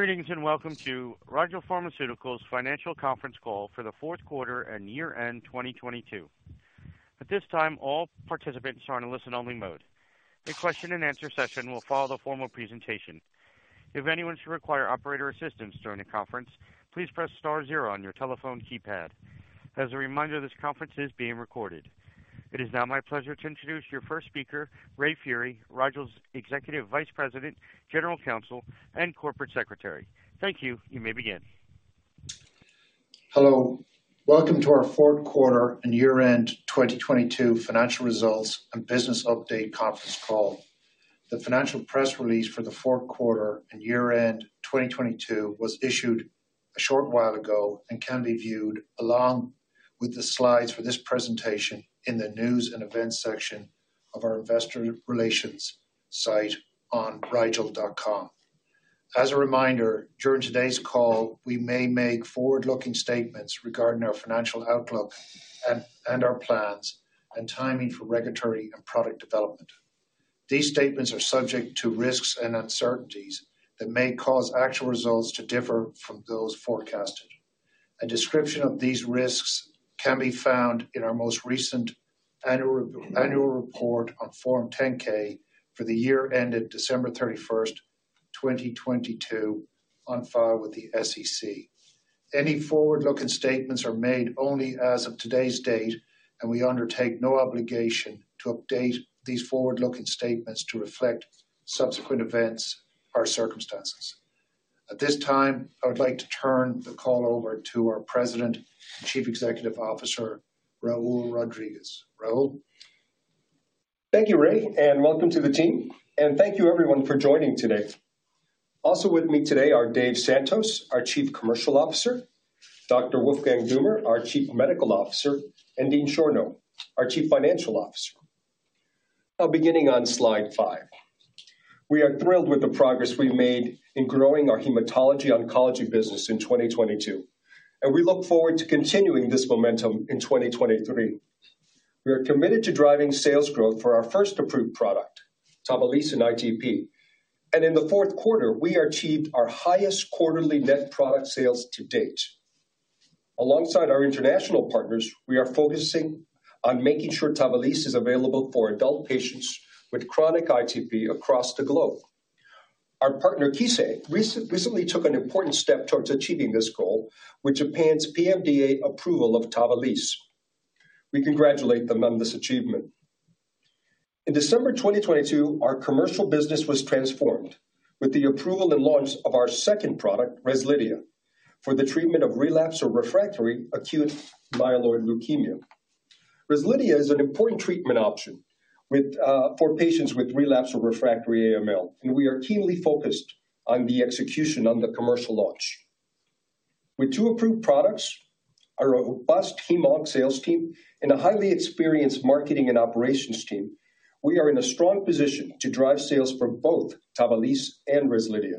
Greetings, and welcome to Rigel Pharmaceuticals Financial Conference Call for the fourth quarter and year end 2022. At this time, all participants are in a listen-only mode. A question and answer session will follow the formal presentation. If anyone should require operator assistance during the conference, please press star zero on your telephone keypad. As a reminder, this conference is being recorded. It is now my pleasure to introduce your first speaker, Raymond Furey, Rigel's Executive Vice President, General Counsel, and Corporate Secretary. Thank you. You may begin. Hello. Welcome to our fourth quarter and year-end 2022 financial results and business update conference call. The financial press release for the fourth quarter and year-end 2022 was issued a short while ago and can be viewed along with the slides for this presentation in the News & Events section of our investor relations site on rigel.com. As a reminder, during today's call, we may make forward-looking statements regarding our financial outlook and our plans and timing for regulatory and product development. These statements are subject to risks and uncertainties that may cause actual results to differ from those forecasted. A description of these risks can be found in our most recent annual report on Form 10-K for the year ended December 31st, 2022 on file with the SEC. Any forward-looking statements are made only as of today's date. We undertake no obligation to update these forward-looking statements to reflect subsequent events or circumstances. At this time, I would like to turn the call over to our President and Chief Executive Officer, Raul Rodriguez. Raul. Thank you, Ray. Welcome to the team. Thank you everyone for joining today. Also with me today are Dave Santos, our Chief Commercial Officer, Dr. Wolfgang Dummer, our Chief Medical Officer, and Dean Schorno, our Chief Financial Officer. Beginning on slide 5. We are thrilled with the progress we made in growing our hematology oncology business in 2022, and we look forward to continuing this momentum in 2023. We are committed to driving sales growth for our first approved product, TAVALISSE in ITP. In the fourth quarter, we achieved our highest quarterly net product sales to date. Alongside our international partners, we are focusing on making sure TAVALISSE is available for adult patients with chronic ITP across the globe. Our partner, Kissei, recently took an important step towards achieving this goal with Japan's PMDA approval of TAVALISSE. We congratulate them on this achievement. In December 2022, our commercial business was transformed with the approval and launch of our second product, REZLIDHIA, for the treatment of relapsed or refractory acute myeloid leukemia. REZLIDHIA is an important treatment option for patients with relapsed or refractory AML, and we are keenly focused on the execution on the commercial launch. With two approved products, our robust hem-onc sales team and a highly experienced marketing and operations team, we are in a strong position to drive sales for both TAVALISSE and REZLIDHIA.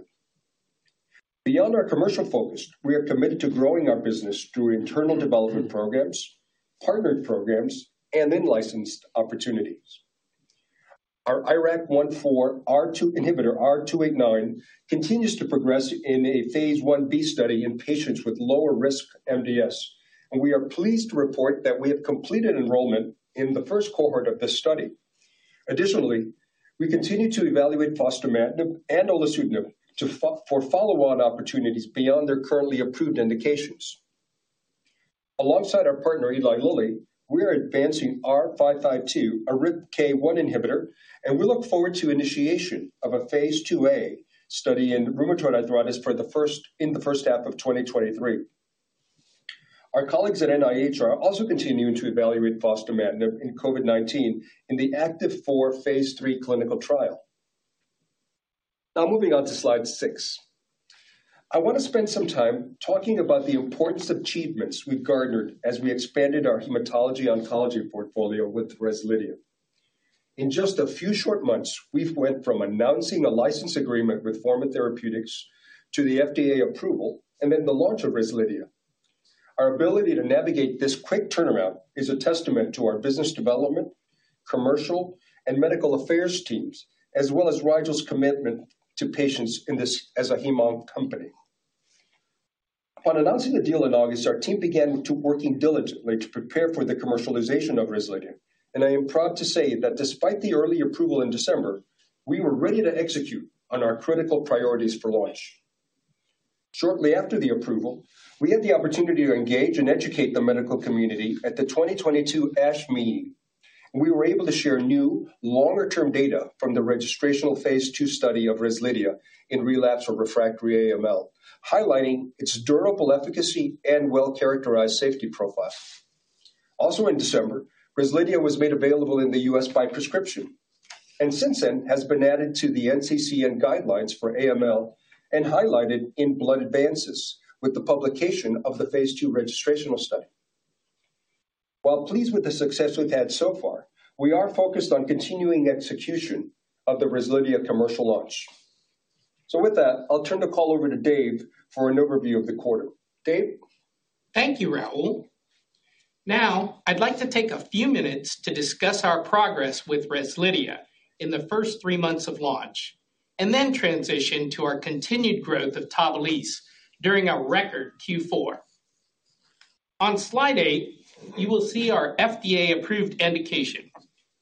Beyond our commercial focus, we are committed to growing our business through internal development programs, partnered programs, and in-licensed opportunities. Our IRAK1/4 R2 inhibitor, R289, continues to progress in a phase 1b study in patients with lower risk MDS. We are pleased to report that we have completed enrollment in the first cohort of this study. Additionally, we continue to evaluate fostamatinib and olutasidenib for follow-on opportunities beyond their currently approved indications. Alongside our partner, Eli Lilly, we are advancing R552, a RIPK1 inhibitor. We look forward to initiation of a phase IIA study in rheumatoid arthritis in the first half of 2023. Our colleagues at NIH are also continuing to evaluate fostamatinib in COVID-19 in the ACTIV-4 phase III clinical trial. Moving on to slide 6. I wanna spend some time talking about the important achievements we've garnered as we expanded our hematology oncology portfolio with REZLIDHIA. In just a few short months, we've went from announcing a license agreement with Forma Therapeutics to the FDA approval, then the launch of REZLIDHIA. Our ability to navigate this quick turnaround is a testament to our business development, commercial, and medical affairs teams, as well as Rigel's commitment to patients in this as a hem-onc company. On announcing the deal in August, our team began to working diligently to prepare for the commercialization of REZLIDHIA, and I am proud to say that despite the early approval in December, we were ready to execute on our critical priorities for launch. Shortly after the approval, we had the opportunity to engage and educate the medical community at the 2022 ASH meeting. We were able to share new longer-term data from the registrational phase II study of REZLIDHIA in relapse or refractory AML, highlighting its durable efficacy and well-characterized safety profile. In December, REZLIDHIA was made available in the U.S. by prescription and since then has been added to the NCCN guidelines for AML and highlighted in Blood Advances with the publication of the phase II registrational study. While pleased with the success we've had so far, we are focused on continuing execution of the REZLIDHIA commercial launch. With that, I'll turn the call over to Dave for an overview of the quarter. Dave? Thank you, Raul. Now, I'd like to take a few minutes to discuss our progress with REZLIDHIA in the first three months of launch, and then transition to our continued growth of TAVALISSE during our record Q4. On slide 8, you will see our FDA-approved indication,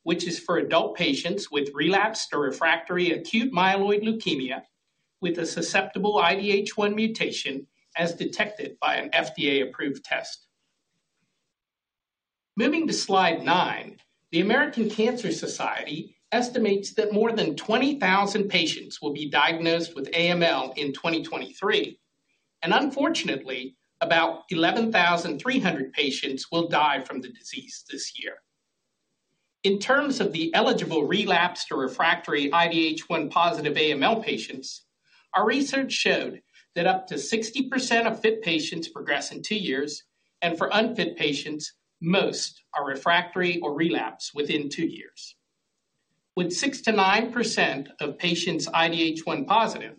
which is for adult patients with relapsed or refractory acute myeloid leukemia with a susceptible IDH1 mutation as detected by an FDA-approved test. Moving to slide 9, the American Cancer Society estimates that more than 20,000 patients will be diagnosed with AML in 2023, and unfortunately, about 11,300 patients will die from the disease this year. In terms of the eligible relapsed or refractory IDH1-positive AML patients, our research showed that up to 60% of fit patients progress in two years, and for unfit patients, most are refractory or relapse within two years. With 6%-9% of patients IDH1 positive,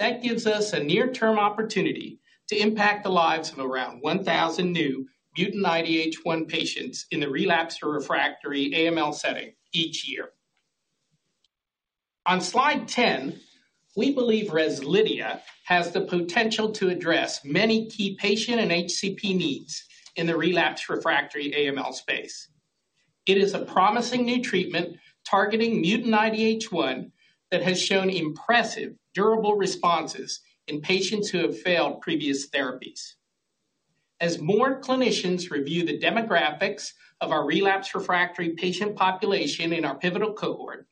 that gives us a near-term opportunity to impact the lives of around 1,000 new mutant IDH1 patients in the relapsed or refractory AML setting each year. On slide 10, we believe REZLIDHIA has the potential to address many key patient and HCP needs in the relapsed refractory AML space. It is a promising new treatment targeting mutant IDH1 that has shown impressive durable responses in patients who have failed previous therapies. As more clinicians review the demographics of our relapsed refractory patient population in our pivotal cohort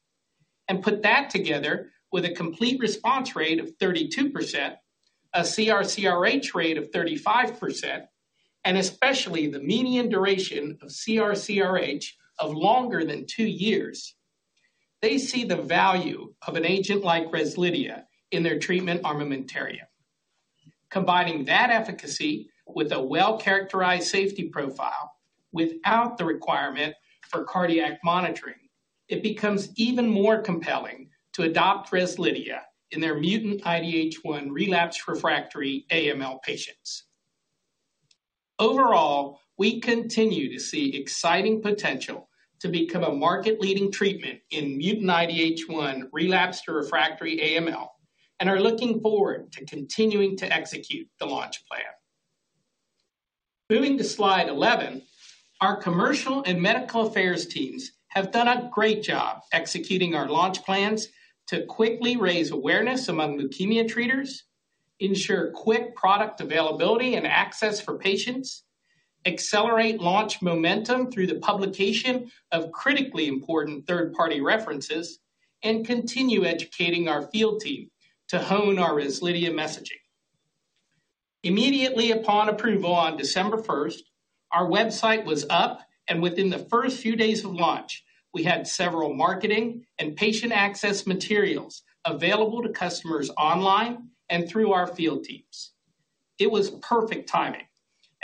and put that together with a complete response rate of 32%, a CRCRH rate of 35%, and especially the median duration of CRCRH of longer than two years, they see the value of an agent like REZLIDHIA in their treatment armamentarium. Combining that efficacy with a well-characterized safety profile without the requirement for cardiac monitoring, it becomes even more compelling to adopt REZLIDHIA in their mutant IDH1 relapsed refractory AML patients. Overall, we continue to see exciting potential to become a market-leading treatment in mutant IDH1 relapsed refractory AML and are looking forward to continuing to execute the launch plan. Moving to slide 11, our commercial and medical affairs teams have done a great job executing our launch plans to quickly raise awareness among leukemia treaters, ensure quick product availability and access for patients, accelerate launch momentum through the publication of critically important third-party references, and continue educating our field team to hone our REZLIDHIA messaging. Immediately upon approval on December 1st, our website was up, and within the first few days of launch, we had several marketing and patient access materials available to customers online and through our field teams. It was perfect timing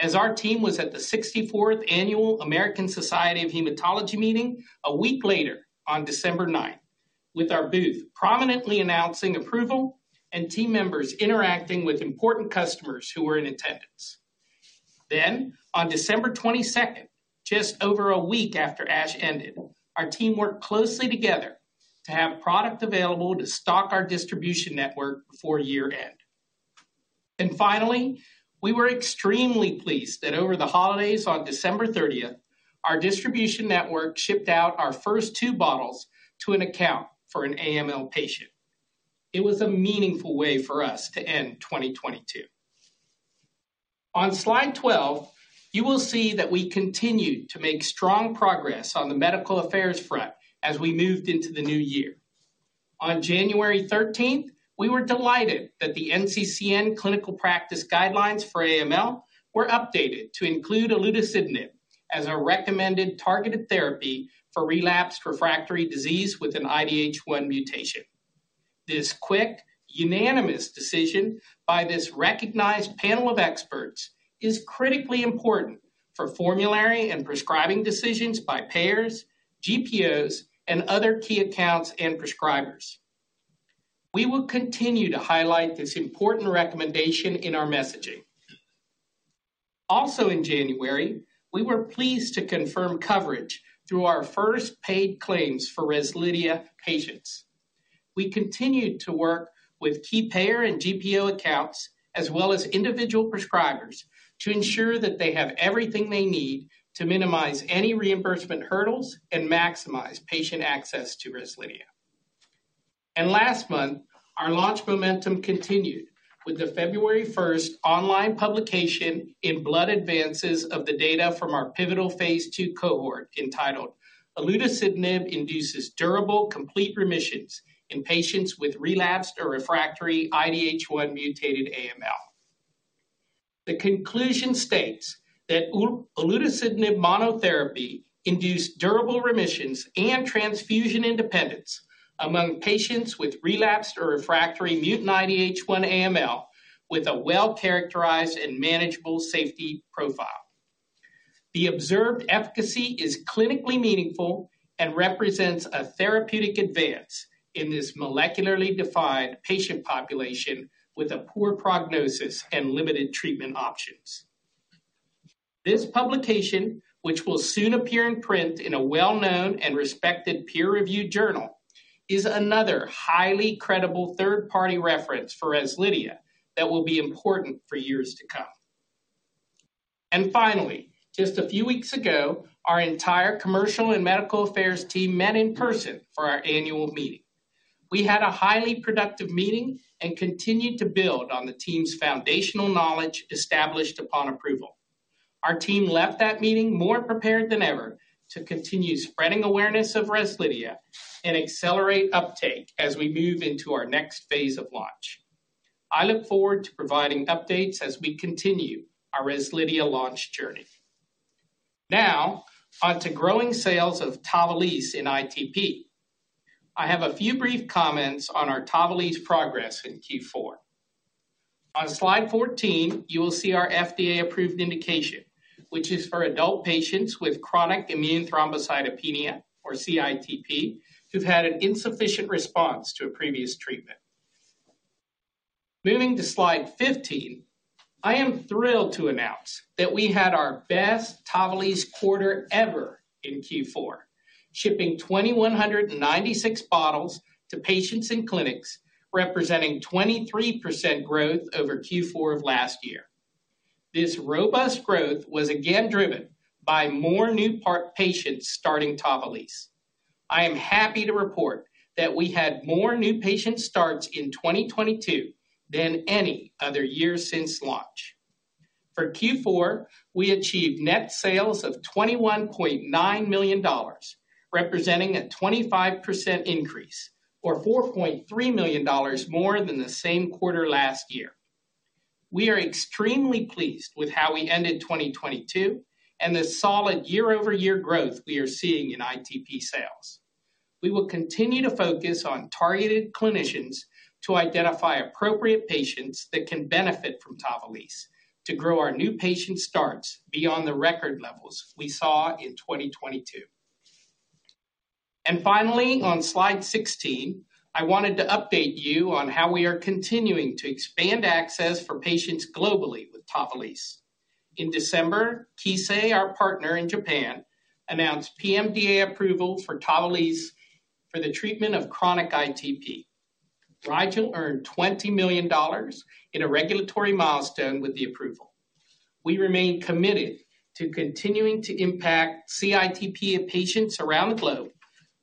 as our team was at the 64th annual American Society of Hematology meeting a week later on December 9th, with our booth prominently announcing approval and team members interacting with important customers who were in attendance. On December 22nd, just over a week after ASH ended, our team worked closely together to have product available to stock our distribution network before year-end. Finally, we were extremely pleased that over the holidays on December 30th, our distribution network shipped out our first 2 bottles to an account for an AML patient. It was a meaningful way for us to end 2022. On slide 12, you will see that we continued to make strong progress on the medical affairs front as we moved into the new year. On January 13th, we were delighted that the NCCN Clinical Practice Guidelines for AML were updated to include olutasidenib as a recommended targeted therapy for relapsed refractory disease with an IDH1 mutation. This quick, unanimous decision by this recognized panel of experts is critically important for formulary and prescribing decisions by payers, GPOs, and other key accounts and prescribers. We will continue to highlight this important recommendation in our messaging. Also in January, we were pleased to confirm coverage through our first paid claims for REZLIDHIA patients. We continued to work with key payer and GPO accounts as well as individual prescribers to ensure that they have everything they need to minimize any reimbursement hurdles and maximize patient access to REZLIDHIA. Last month, our launch momentum continued with the February first online publication in Blood Advances of the data from our pivotal phase II cohort entitled Olutasidenib Induces Durable Complete Remissions in Patients with Relapsed or Refractory IDH1 Mutated AML. The conclusion states that olutasidenib monotherapy induced durable remissions and transfusion independence among patients with relapsed or refractory mutant IDH1 AML with a well-characterized and manageable safety profile. The observed efficacy is clinically meaningful and represents a therapeutic advance in this molecularly defined patient population with a poor prognosis and limited treatment options. This publication, which will soon appear in print in a well-known and respected peer-reviewed journal, is another highly credible third-party reference for REZLIDHIA that will be important for years to come. Finally, just a few weeks ago, our entire commercial and medical affairs team met in person for our annual meeting. We had a highly productive meeting and continued to build on the team's foundational knowledge established upon approval. Our team left that meeting more prepared than ever to continue spreading awareness of REZLIDHIA and accelerate uptake as we move into our next phase of launch. I look forward to providing updates as we continue our REZLIDHIA launch journey. On to growing sales of TAVALISSE in ITP. I have a few brief comments on our TAVALISSE progress in Q4. On slide 14, you will see our FDA-approved indication, which is for adult patients with chronic immune thrombocytopenia, or CITP, who've had an insufficient response to a previous treatment. Moving to slide 15, I am thrilled to announce that we had our best TAVALISSE quarter ever in Q4, shipping 2,196 bottles to patients in clinics, representing 23% growth over Q4 of last year. This robust growth was again driven by more new patients starting TAVALISSE. I am happy to report that we had more new patient starts in 2022 than any other year since launch. For Q4, we achieved net sales of $21.9 million, representing a 25% increase or $4.3 million more than the same quarter last year. We are extremely pleased with how we ended 2022 and the solid year-over-year growth we are seeing in ITP sales. We will continue to focus on targeted clinicians to identify appropriate patients that can benefit from TAVALISSE to grow our new patient starts beyond the record levels we saw in 2022. Finally, on slide 16, I wanted to update you on how we are continuing to expand access for patients globally with TAVALISSE. In December, Kissei, our partner in Japan, announced PMDA approval for TAVALISSE for the treatment of chronic ITP. Rigel earned $20 million in a regulatory milestone with the approval. We remain committed to continuing to impact CITP patients around the globe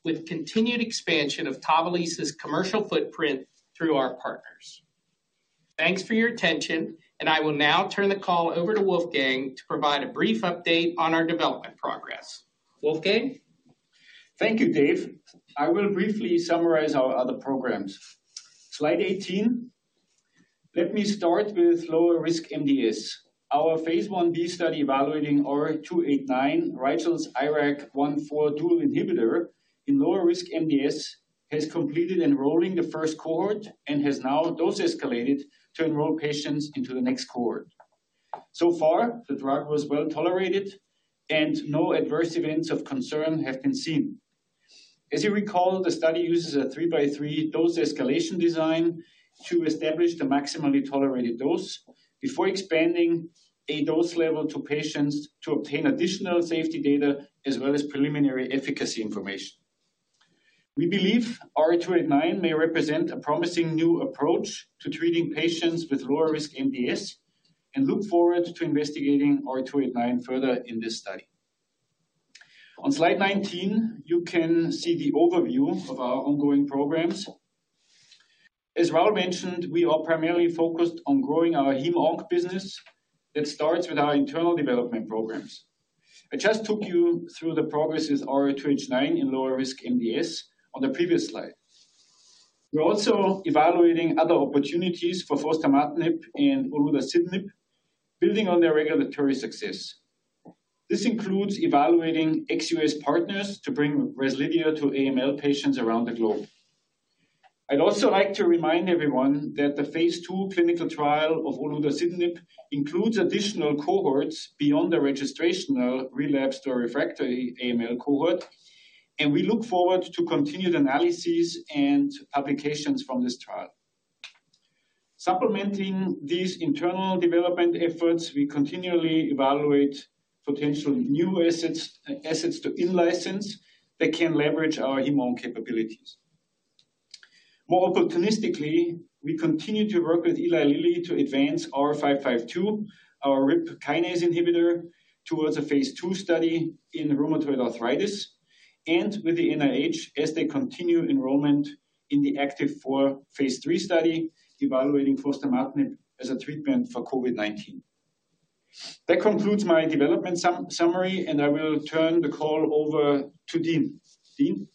with continued expansion of TAVALISSE's commercial footprint through our partners. Thanks for your attention, I will now turn the call over to Wolfgang to provide a brief update on our development progress. Wolfgang? Thank you, Dave. I will briefly summarize our other programs. Slide 18, let me start with lower risk MDS. Our phase IB study evaluating R289, Rigel's IRAK1/4 dual inhibitor in lower risk MDS, has completed enrolling the first cohort and has now dose escalated to enroll patients into the next cohort. So far, the drug was well-tolerated, and no adverse events of concern have been seen. As you recall, the study uses a 3x3 dose escalation design to establish the maximally tolerated dose before expanding a dose level to patients to obtain additional safety data as well as preliminary efficacy information. We believe R289 may represent a promising new approach to treating patients with lower risk MDS and look forward to investigating R289 further in this study. On slide 19, you can see the overview of our ongoing programs. As Raul mentioned, we are primarily focused on growing our hem-onc business. That starts with our internal development programs. I just took you through the progress with R289 in lower risk MDS on the previous slide. We're also evaluating other opportunities for fostamatinib and olutasidenib, building on their regulatory success. This includes evaluating ex-US partners to bring REZLIDHIA to AML patients around the globe. I'd also like to remind everyone that the phase II clinical trial of olutasidenib includes additional cohorts beyond the registrational relapsed or refractory AML cohort, and we look forward to continued analysis and applications from this trial. Supplementing these internal development efforts, we continually evaluate potential new assets to in-license that can leverage our hem-onc capabilities. More opportunistically, we continue to work with Eli Lilly to advance our R552, our RIP kinase inhibitor, towards a phase 2 study in rheumatoid arthritis and with the NIH as they continue enrollment in the ACTIV-4 phase 3 study evaluating fostamatinib as a treatment for COVID-19. That concludes my development summary, and I will turn the call over to Dean. Dean?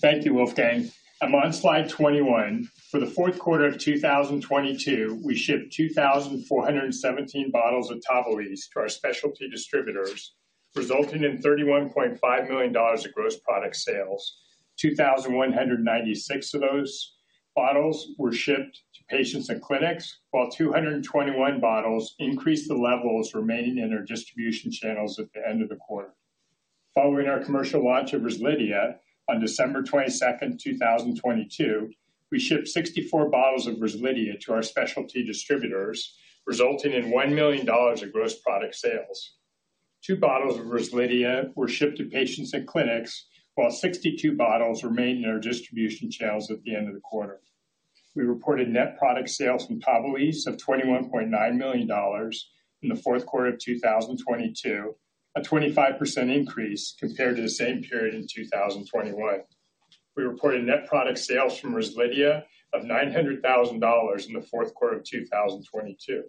Thank you, Wolfgang. I'm on slide 21. For the fourth quarter of 2022, we shipped 2,417 bottles of TAVALISSE to our specialty distributors, resulting in $31.5 million of gross product sales. 2,196 of those bottles were shipped to patients in clinics, while 221 bottles increased the levels remaining in our distribution channels at the end of the quarter. Following our commercial launch of REZLIDHIA on December 22, 2022, we shipped 64 bottles of REZLIDHIA to our specialty distributors, resulting in $1 million of gross product sales. 2 bottles of REZLIDHIA were shipped to patients and clinics, while 62 bottles remained in our distribution channels at the end of the quarter. We reported net product sales from TAVALISSE of $21.9 million in the fourth quarter of 2022, a 25% increase compared to the same period in 2021. We reported net product sales from REZLIDHIA of $900,000 in the fourth quarter of 2022.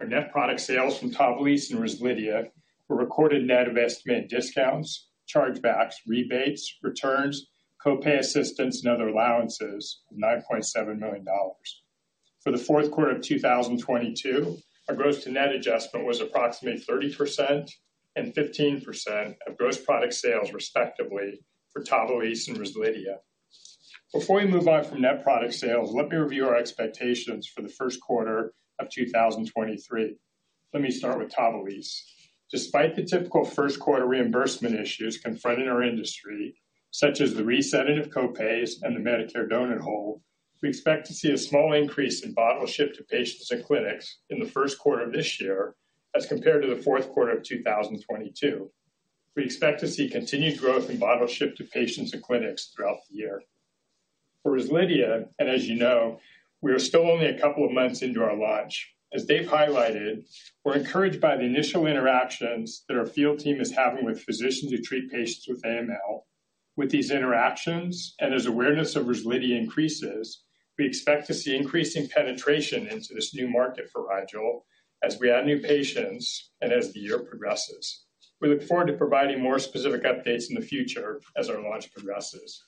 Our net product sales from TAVALISSE and REZLIDHIA were recorded net of estimated discounts, chargebacks, rebates, returns, co-pay assistance, and other allowances of $9.7 million. For the fourth quarter of 2022, our gross to net adjustment was approximately 30% and 15% of gross product sales, respectively, for TAVALISSE and REZLIDHIA. Before we move on from net product sales, let me review our expectations for the first quarter of 2023. Let me start with TAVALISSE. Despite the typical first quarter reimbursement issues confronting our industry, such as the resetting of co-pays and the Medicare donut hole, we expect to see a small increase in bottles shipped to patients and clinics in the first quarter of this year as compared to the fourth quarter of 2022. We expect to see continued growth in bottles shipped to patients and clinics throughout the year. For REZLIDHIA, and as you know, we are still only a couple of months into our launch. As Dave highlighted, we're encouraged by the initial interactions that our field team is having with physicians who treat patients with AML. With these interactions, and as awareness of REZLIDHIA increases, we expect to see increasing penetration into this new market for Rigel as we add new patients and as the year progresses. We look forward to providing more specific updates in the future as our launch progresses.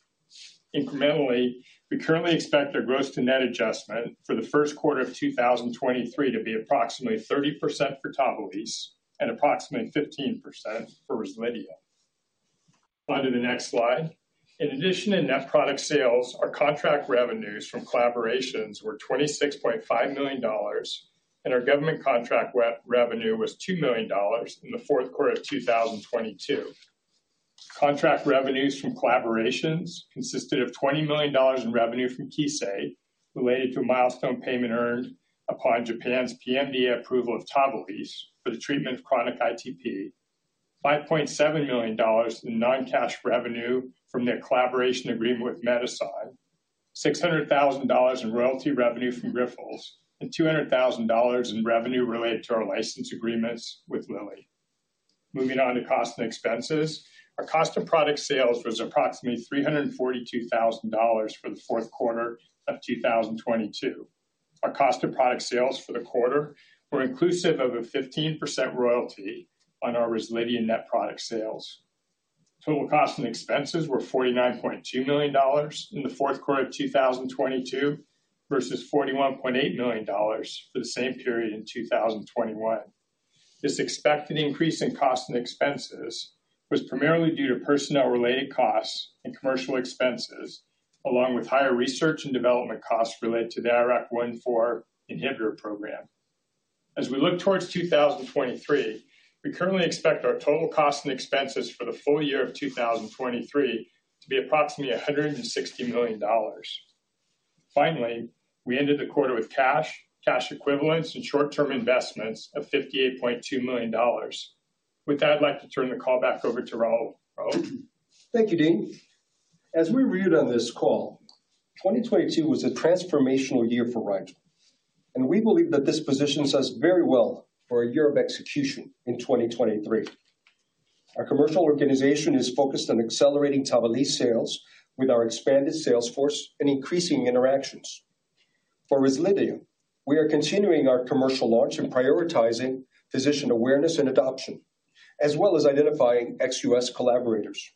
Incrementally, we currently expect our gross to net adjustment for the first quarter of 2023 to be approximately 30% for TAVALISSE and approximately 15% for REZLIDHIA. On to the next slide. In addition to net product sales, our contract revenues from collaborations were $26.5 million, our government contract re-revenue was $2 million in the fourth quarter of 2022. Contract revenues from collaborations consisted of $20 million in revenue from Kissei related to a milestone payment earned upon Japan's PMDA approval of TAVALISSE for the treatment of chronic ITP, $5.7 million in non-cash revenue from their collaboration agreement with Medison, $600,000 in royalty revenue from Grifols, and $200,000 in revenue related to our license agreements with Lilly. Moving on to cost and expenses. Our cost of product sales was approximately $342,000 for the fourth quarter of 2022. Our cost of product sales for the quarter were inclusive of a 15% royalty on our REZLIDHIA net product sales. Total cost and expenses were $49.2 million in the fourth quarter of 2022 versus $41.8 million for the same period in 2021. This expected increase in cost and expenses was primarily due to personnel-related costs and commercial expenses, along with higher research and development costs related to the IRAK1/4 inhibitor program. As we look towards 2023, we currently expect our total cost and expenses for the full year of 2023 to be approximately $160 million. Finally, we ended the quarter with cash equivalents, and short-term investments of $58.2 million. With that, I'd like to turn the call back over to Raul. Raul? Thank you, Dean. As we reviewed on this call, 2022 was a transformational year for Rigel, and we believe that this positions us very well for a year of execution in 2023. Our commercial organization is focused on accelerating TAVALISSE sales with our expanded sales force and increasing interactions. For REZLIDHIA, we are continuing our commercial launch and prioritizing physician awareness and adoption, as well as identifying ex-U.S. collaborators.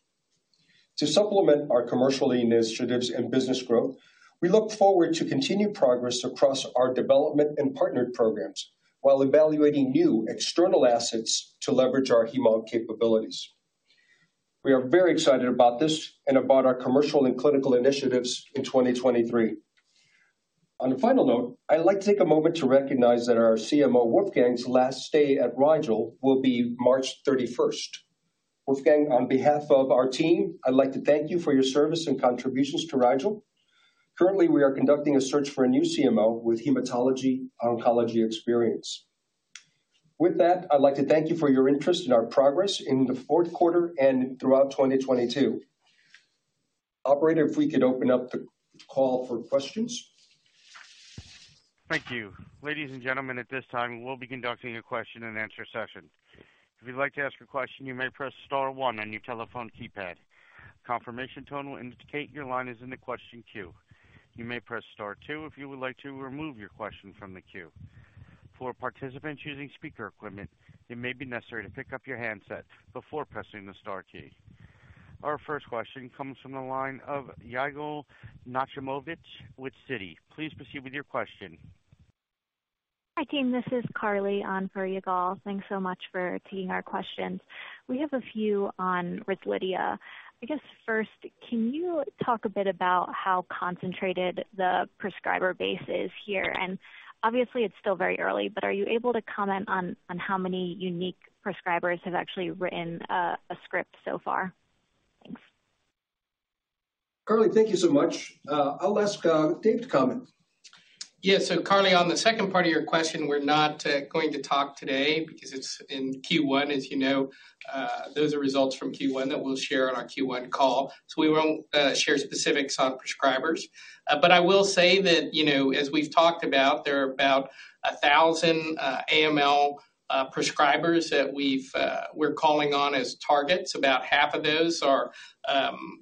To supplement our commercial initiatives and business growth, we look forward to continued progress across our development and partnered programs while evaluating new external assets to leverage our hemo capabilities. We are very excited about this and about our commercial and clinical initiatives in 2023. On a final note, I'd like to take a moment to recognize that our CMO Wolfgang's last stay at Rigel will be March 31st. Wolfgang, on behalf of our team, I'd like to thank you for your service and contributions to Rigel. Currently, we are conducting a search for a new CMO with hematology-oncology experience. With that, I'd like to thank you for your interest in our progress in the fourth quarter and throughout 2022. Operator, if we could open up the call for questions. Thank you. Ladies and gentlemen, at this time, we'll be conducting a question and answer session. If you'd like to ask a question, you may press star one on your telephone keypad. Confirmation tone will indicate your line is in the question queue. You may press star two if you would like to remove your question from the queue. For participants using speaker equipment, it may be necessary to pick up your handset before pressing the star key. Our first question comes from the line of Yigal Nochomovitz with Citi. Please proceed with your question. Hi, team. This is Carly on for Yigal. Thanks so much for taking our questions. We have a few on REZLIDHIA. I guess first, can you talk a bit about how concentrated the prescriber base is here? Obviously, it's still very early, but are you able to comment on how many unique prescribers have actually written a script so far? Carly, thank you so much. I'll ask Dave to comment. Yeah. Carly, on the second part of your question, we're not going to talk today because it's in Q1. As you know, those are results from Q1 that we'll share on our Q1 call. We won't share specifics on prescribers. I will say that, you know, as we've talked about, there are about 1,000 AML prescribers that we're calling on as targets. About half of those are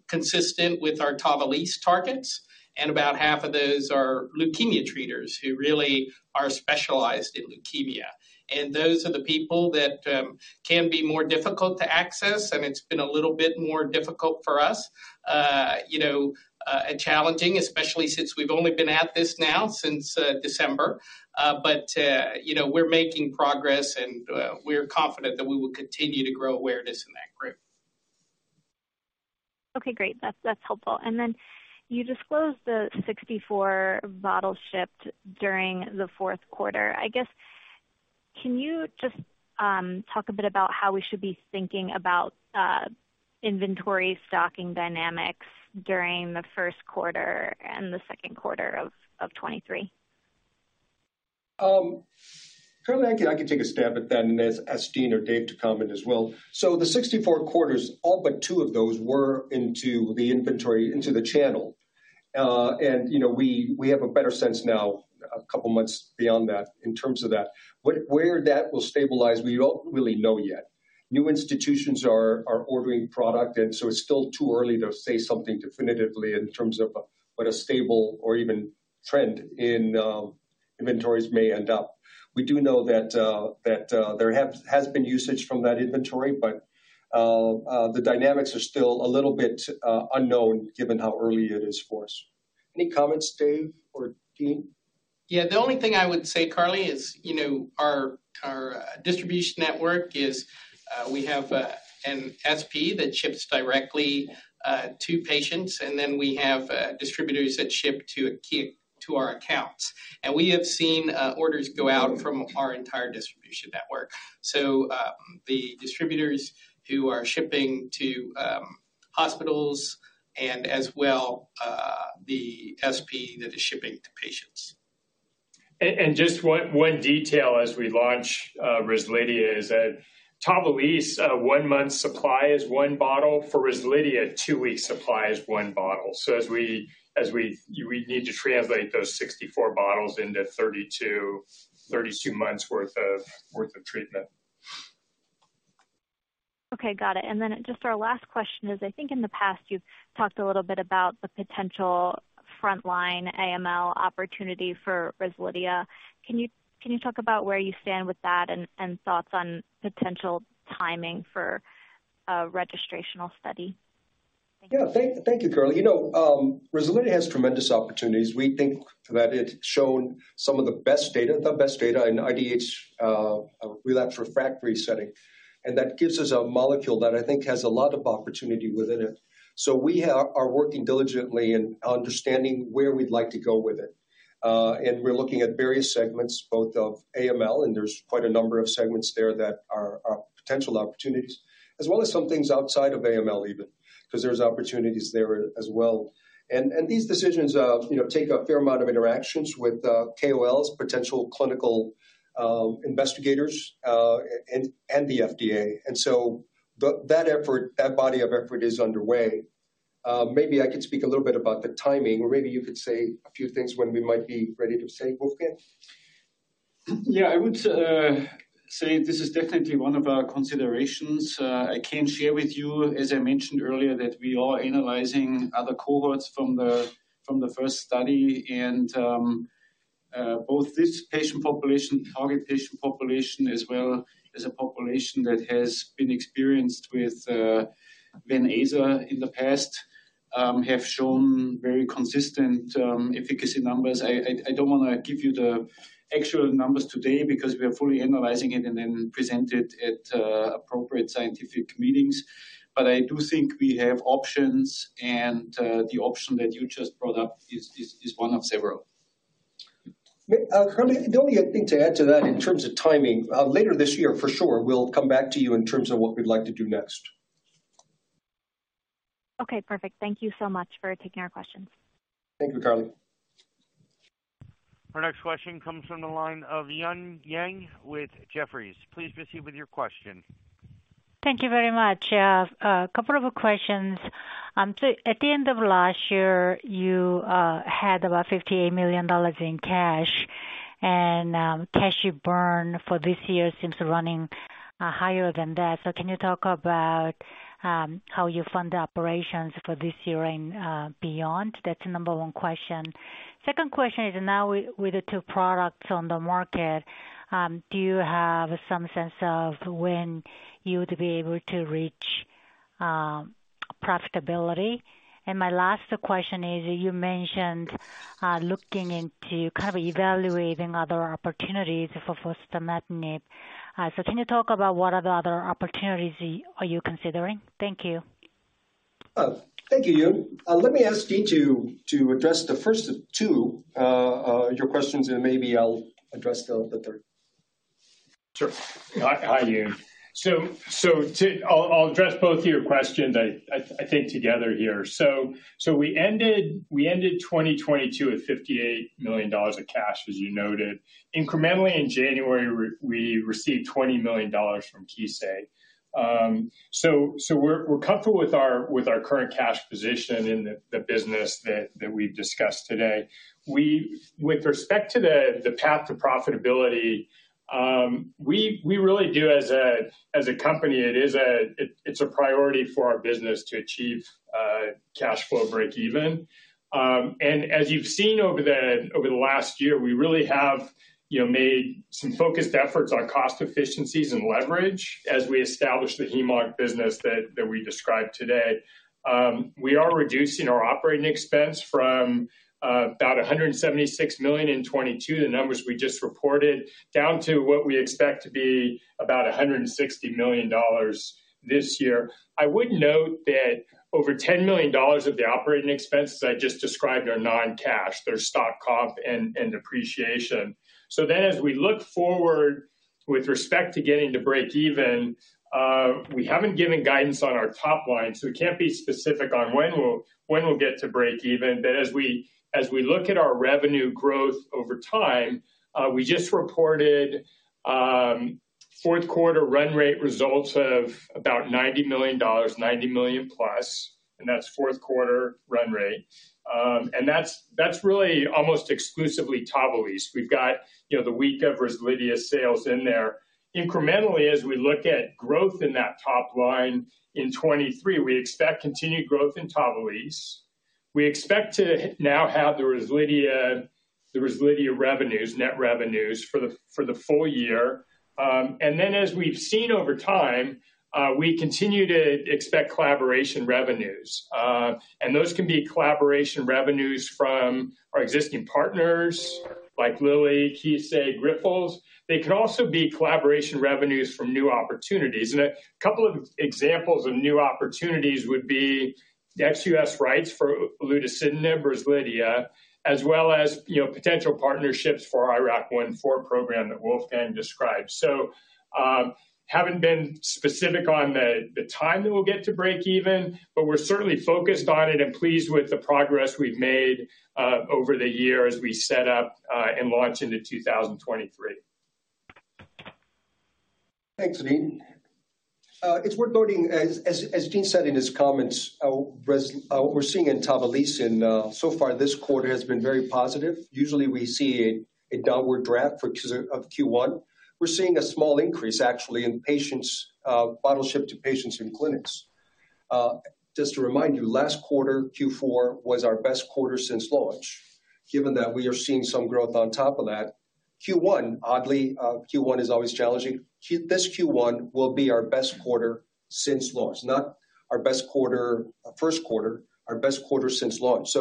consistent with our TAVALISSE targets, about half of those are leukemia treaters who really are specialized in leukemia. Those are the people that can be more difficult to access, it's been a little bit more difficult for us, you know, challenging, especially since we've only been at this now since December. You know, we're making progress, and, we're confident that we will continue to grow awareness in that group. Okay, great. That's helpful. You disclosed the 64 bottles shipped during the fourth quarter. I guess, can you just talk a bit about how we should be thinking about inventory stocking dynamics during the first quarter and the second quarter of 2023? Carly, I can take a stab at that and ask Dean or Dave to comment as well. The 64 quarters, all but two of those were into the inventory, into the channel. you know, we have a better sense now a couple of months beyond that in terms of that. Where that will stabilize, we don't really know yet. New institutions are ordering product, it's still too early to say something definitively in terms of what a stable or even trend in inventories may end up. We do know that there has been usage from that inventory, but the dynamics are still a little bit unknown given how early it is for us. Any comments, Dave or Dean? Yeah. The only thing I would say, Carly, is, you know, our distribution network is, we have an SP that ships directly to patients, and then we have distributors that ship to our accounts. We have seen orders go out from our entire distribution network. The distributors who are shipping to hospitals and as well, the SP that is shipping to patients. Just one detail as we launch REZLIDHIA, is that TAVALISSE, one month's supply is one bottle. For REZLIDHIA, two weeks' supply is one bottle. As we need to translate those 64 bottles into 32 months worth of treatment. Okay, got it. Just our last question is, I think in the past you've talked a little bit about the potential frontline AML opportunity for REZLIDHIA. Can you talk about where you stand with that and thoughts on potential timing for a registrational study? Thank you, Carly. You know, REZLIDHIA has tremendous opportunities. We think that it's shown some of the best data, the best data in IDH, relapse refractory setting. That gives us a molecule that I think has a lot of opportunity within it. We are working diligently in understanding where we'd like to go with it. We're looking at various segments, both of AML, there's quite a number of segments there that are potential opportunities, as well as some things outside of AML even, 'cause there's opportunities there as well. These decisions, you know, take a fair amount of interactions with KOLs, potential clinical, investigators, and the FDA. That effort, that body of effort is underway. Maybe I can speak a little bit about the timing, or maybe you could say a few things when we might be ready to say, Wolfgang. Yeah. I would say this is definitely one of our considerations. I can share with you, as I mentioned earlier, that we are analyzing other cohorts from the, from the first study. Both this patient population, target patient population as well as a population that has been experienced with Venclexta in the past, have shown very consistent efficacy numbers. I don't wanna give you the actual numbers today because we are fully analyzing it and then present it at appropriate scientific meetings. I do think we have options, and the option that you just brought up is one of several. Carly, the only other thing to add to that in terms of timing, later this year, for sure, we'll come back to you in terms of what we'd like to do next. Okay, perfect. Thank you so much for taking our questions. Thank you, Carly. Our next question comes from the line of Eun Yang with Jefferies. Please proceed with your question. Thank you very much. A couple of questions. At the end of last year, you had about $58 million in cash. Cash you burn for this year seems running higher than that. Can you talk about how you fund operations for this year and beyond? That's the number one question. Second question is now with the two products on the market, do you have some sense of when you would be able to reach profitability? My last question is, you mentioned looking into kind of evaluating other opportunities for fostamatinib. Can you talk about what other opportunities are you considering? Thank you. Thank you, Eun. Let me ask Dean to address the first two, your questions. Maybe I'll address the third. Sure. Hi, Eun. I'll address both of your questions I think together here. We ended 2022 with $58 million of cash, as you noted. Incrementally in January, we received $20 million from Kissei. We're comfortable with our current cash position in the business that we've discussed today. With respect to the path to profitability, we really do as a company, it's a priority for our business to achieve cash flow break even. As you've seen over the last year, we really have, you know, made some focused efforts on cost efficiencies and leverage as we establish the heme/onc business that we described today. We are reducing our operating expense from about $176 million in 2022, the numbers we just reported, down to what we expect to be about $160 million this year. I would note that over $10 million of the operating expenses I just described are non-cash. They're stock comp and depreciation. As we look forward with respect to getting to break even, we haven't given guidance on our top line, so we can't be specific on when we'll get to break even. As we look at our revenue growth over time, we just reported fourth quarter run rate results of about $90 million, $90 million plus, and that's fourth quarter run rate. And that's really almost exclusively TAVALISSE. We've got, you know, the week of REZLIDHIA sales in there. Incrementally, as we look at growth in that top line in 2023, we expect continued growth in TAVALISSE. We expect to now have the REZLIDHIA revenues, net revenues for the full year. As we've seen over time, we continue to expect collaboration revenues. Those can be collaboration revenues from our existing partners like Lilly, Kissei, Grifols. They can also be collaboration revenues from new opportunities. A couple of examples of new opportunities would be the ex-U.S. rights for olutasidenib, REZLIDHIA, as well as, you know, potential partnerships for our IRAK1/4 program that Wolfgang described. Haven't been specific on the time that we'll get to break even, but we're certainly focused on it and pleased with the progress we've made over the year as we set up and launch into 2023. Thanks, Dean. It's worth noting as Dean said in his comments, what we're seeing in TAVALISSE so far this quarter has been very positive. Usually, we see a downward draft because of Q1. We're seeing a small increase actually in patients, bottles shipped to patients in clinics. Just to remind you, last quarter, Q4, was our best quarter since launch. Given that we are seeing some growth on top of that, Q1, oddly, Q1 is always challenging. This Q1 will be our best quarter since launch, not our best quarter, first quarter, our best quarter since launch.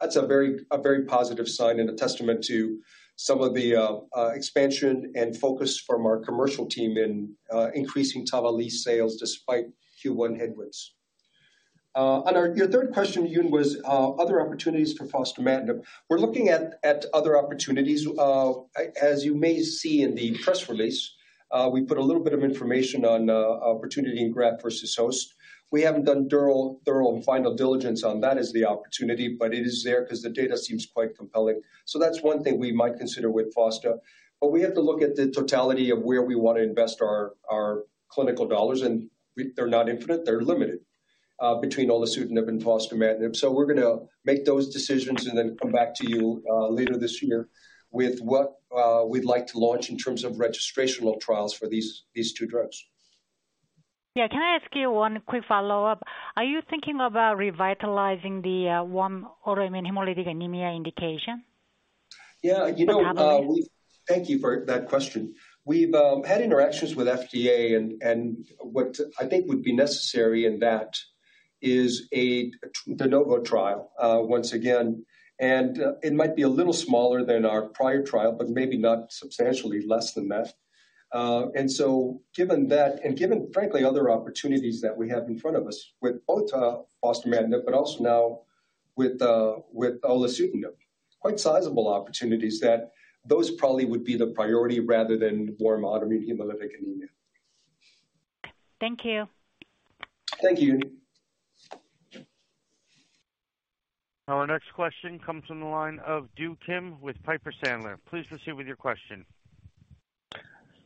That's a very positive sign and a testament to some of the expansion and focus from our commercial team in increasing TAVALISSE sales despite Q1 headwinds. Your third question, Yun, was other opportunities for fostamatinib. We're looking at other opportunities. As you may see in the press release, we put a little bit of information on opportunity in graft versus host. We haven't done thorough and final diligence on that as the opportunity, but it is there 'cause the data seems quite compelling. That's one thing we might consider with fostam. We have to look at the totality of where we wanna invest our clinical dollars, they're not infinite, they're limited, between olutasidenib and fostamatinib. We're gonna make those decisions and then come back to you later this year with what we'd like to launch in terms of registrational trials for these two drugs. Yeah. Can I ask you one quick follow-up? Are you thinking about revitalizing the warm autoimmune hemolytic anemia indication? Yeah. You know. For TAVALISSE. Thank you for that question. We've had interactions with FDA and what I think would be necessary in that is a de novo trial once again. It might be a little smaller than our prior trial, but maybe not substantially less than that. Given that and given, frankly, other opportunities that we have in front of us with both fostamatinib, but also now with olutasidenib, quite sizable opportunities that those probably would be the priority rather than warm autoimmune hemolytic anemia. Thank you. Thank you, Eun. Our next question comes from the line of Do Kim with Piper Sandler. Please proceed with your question.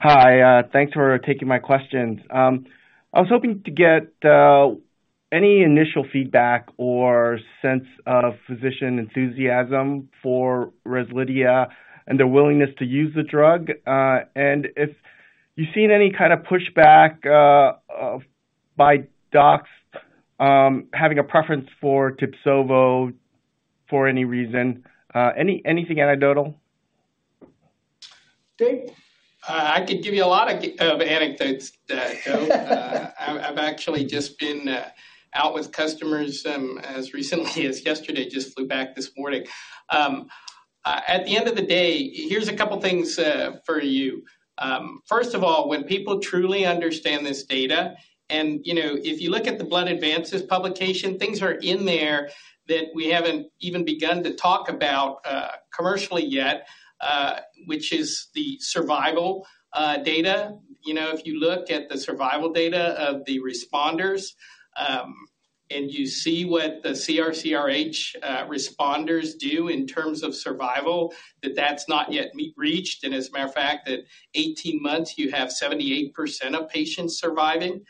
Hi. Thanks for taking my questions. I was hoping to get any initial feedback or sense of physician enthusiasm for REZLIDHIA and their willingness to use the drug. If you've seen any kind of pushback by docs, having a preference for Tibsovo for any reason, anything anecdotal? Dean? I could give you a lot of anecdotes, Do. I've actually just been out with customers as recently as yesterday. Just flew back this morning. At the end of the day, here's a couple things for you. First of all, when people truly understand this data and, you know, if you look at the Blood Advances publication, things are in there that we haven't even begun to talk about commercially yet, which is the survival data. You know, if you look at the survival data of the responders. You see what the CRCRH responders do in terms of survival, that that's not yet reached. As a matter of fact, at 18 months, you have 78% of patients surviving.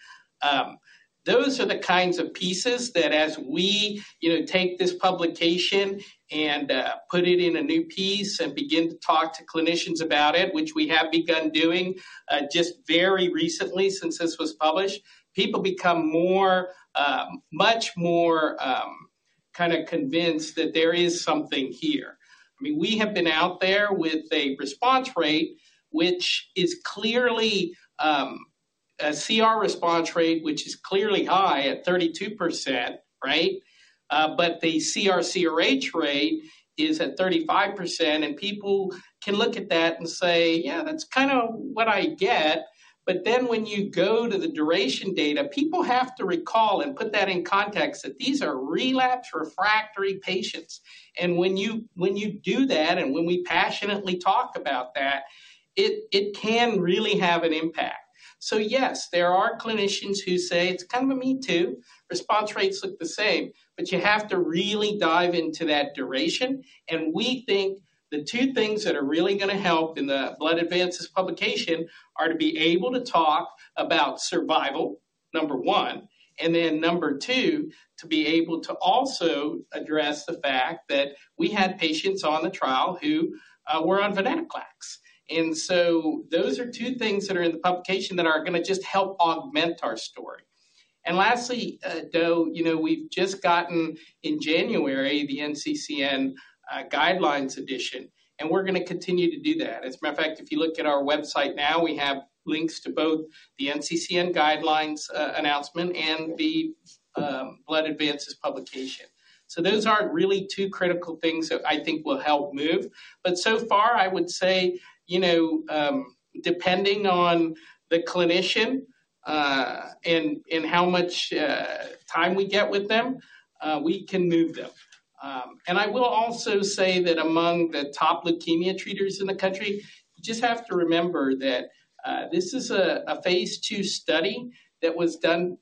Those are the kinds of pieces that as we, you know, take this publication and put it in a new piece and begin to talk to clinicians about it, which we have begun doing just very recently since this was published, people become more, much more, kinda convinced that there is something here. I mean, we have been out there with a response rate, which is clearly a CR response rate, which is clearly high at 32%, right? The CRCRH rate is at 35%, and people can look at that and say, "Yeah, that's kinda what I get." When you go to the duration data, people have to recall and put that in context that these are relapsed refractory patients. When you, when you do that, and when we passionately talk about that, it can really have an impact. Yes, there are clinicians who say, "It's kinda me too. Response rates look the same," but you have to really dive into that duration. We think the two things that are really gonna help in the Blood Advances publication are to be able to talk about survival, number one. Number two, to be able to also address the fact that we had patients on the trial who were on venetoclax. Those are two things that are in the publication that are gonna just help augment our story. Lastly, though, you know, we've just gotten in January the NCCN guidelines edition, and we're gonna continue to do that. As a matter of fact, if you look at our website now, we have links to both the NCCN guidelines announcement and the Blood Advances publication. Those are really two critical things that I think will help move. So far, I would say, you know, depending on the clinician, and how much time we get with them, we can move them. I will also say that among the top leukemia treaters in the country, you just have to remember that this is a phase II study that was done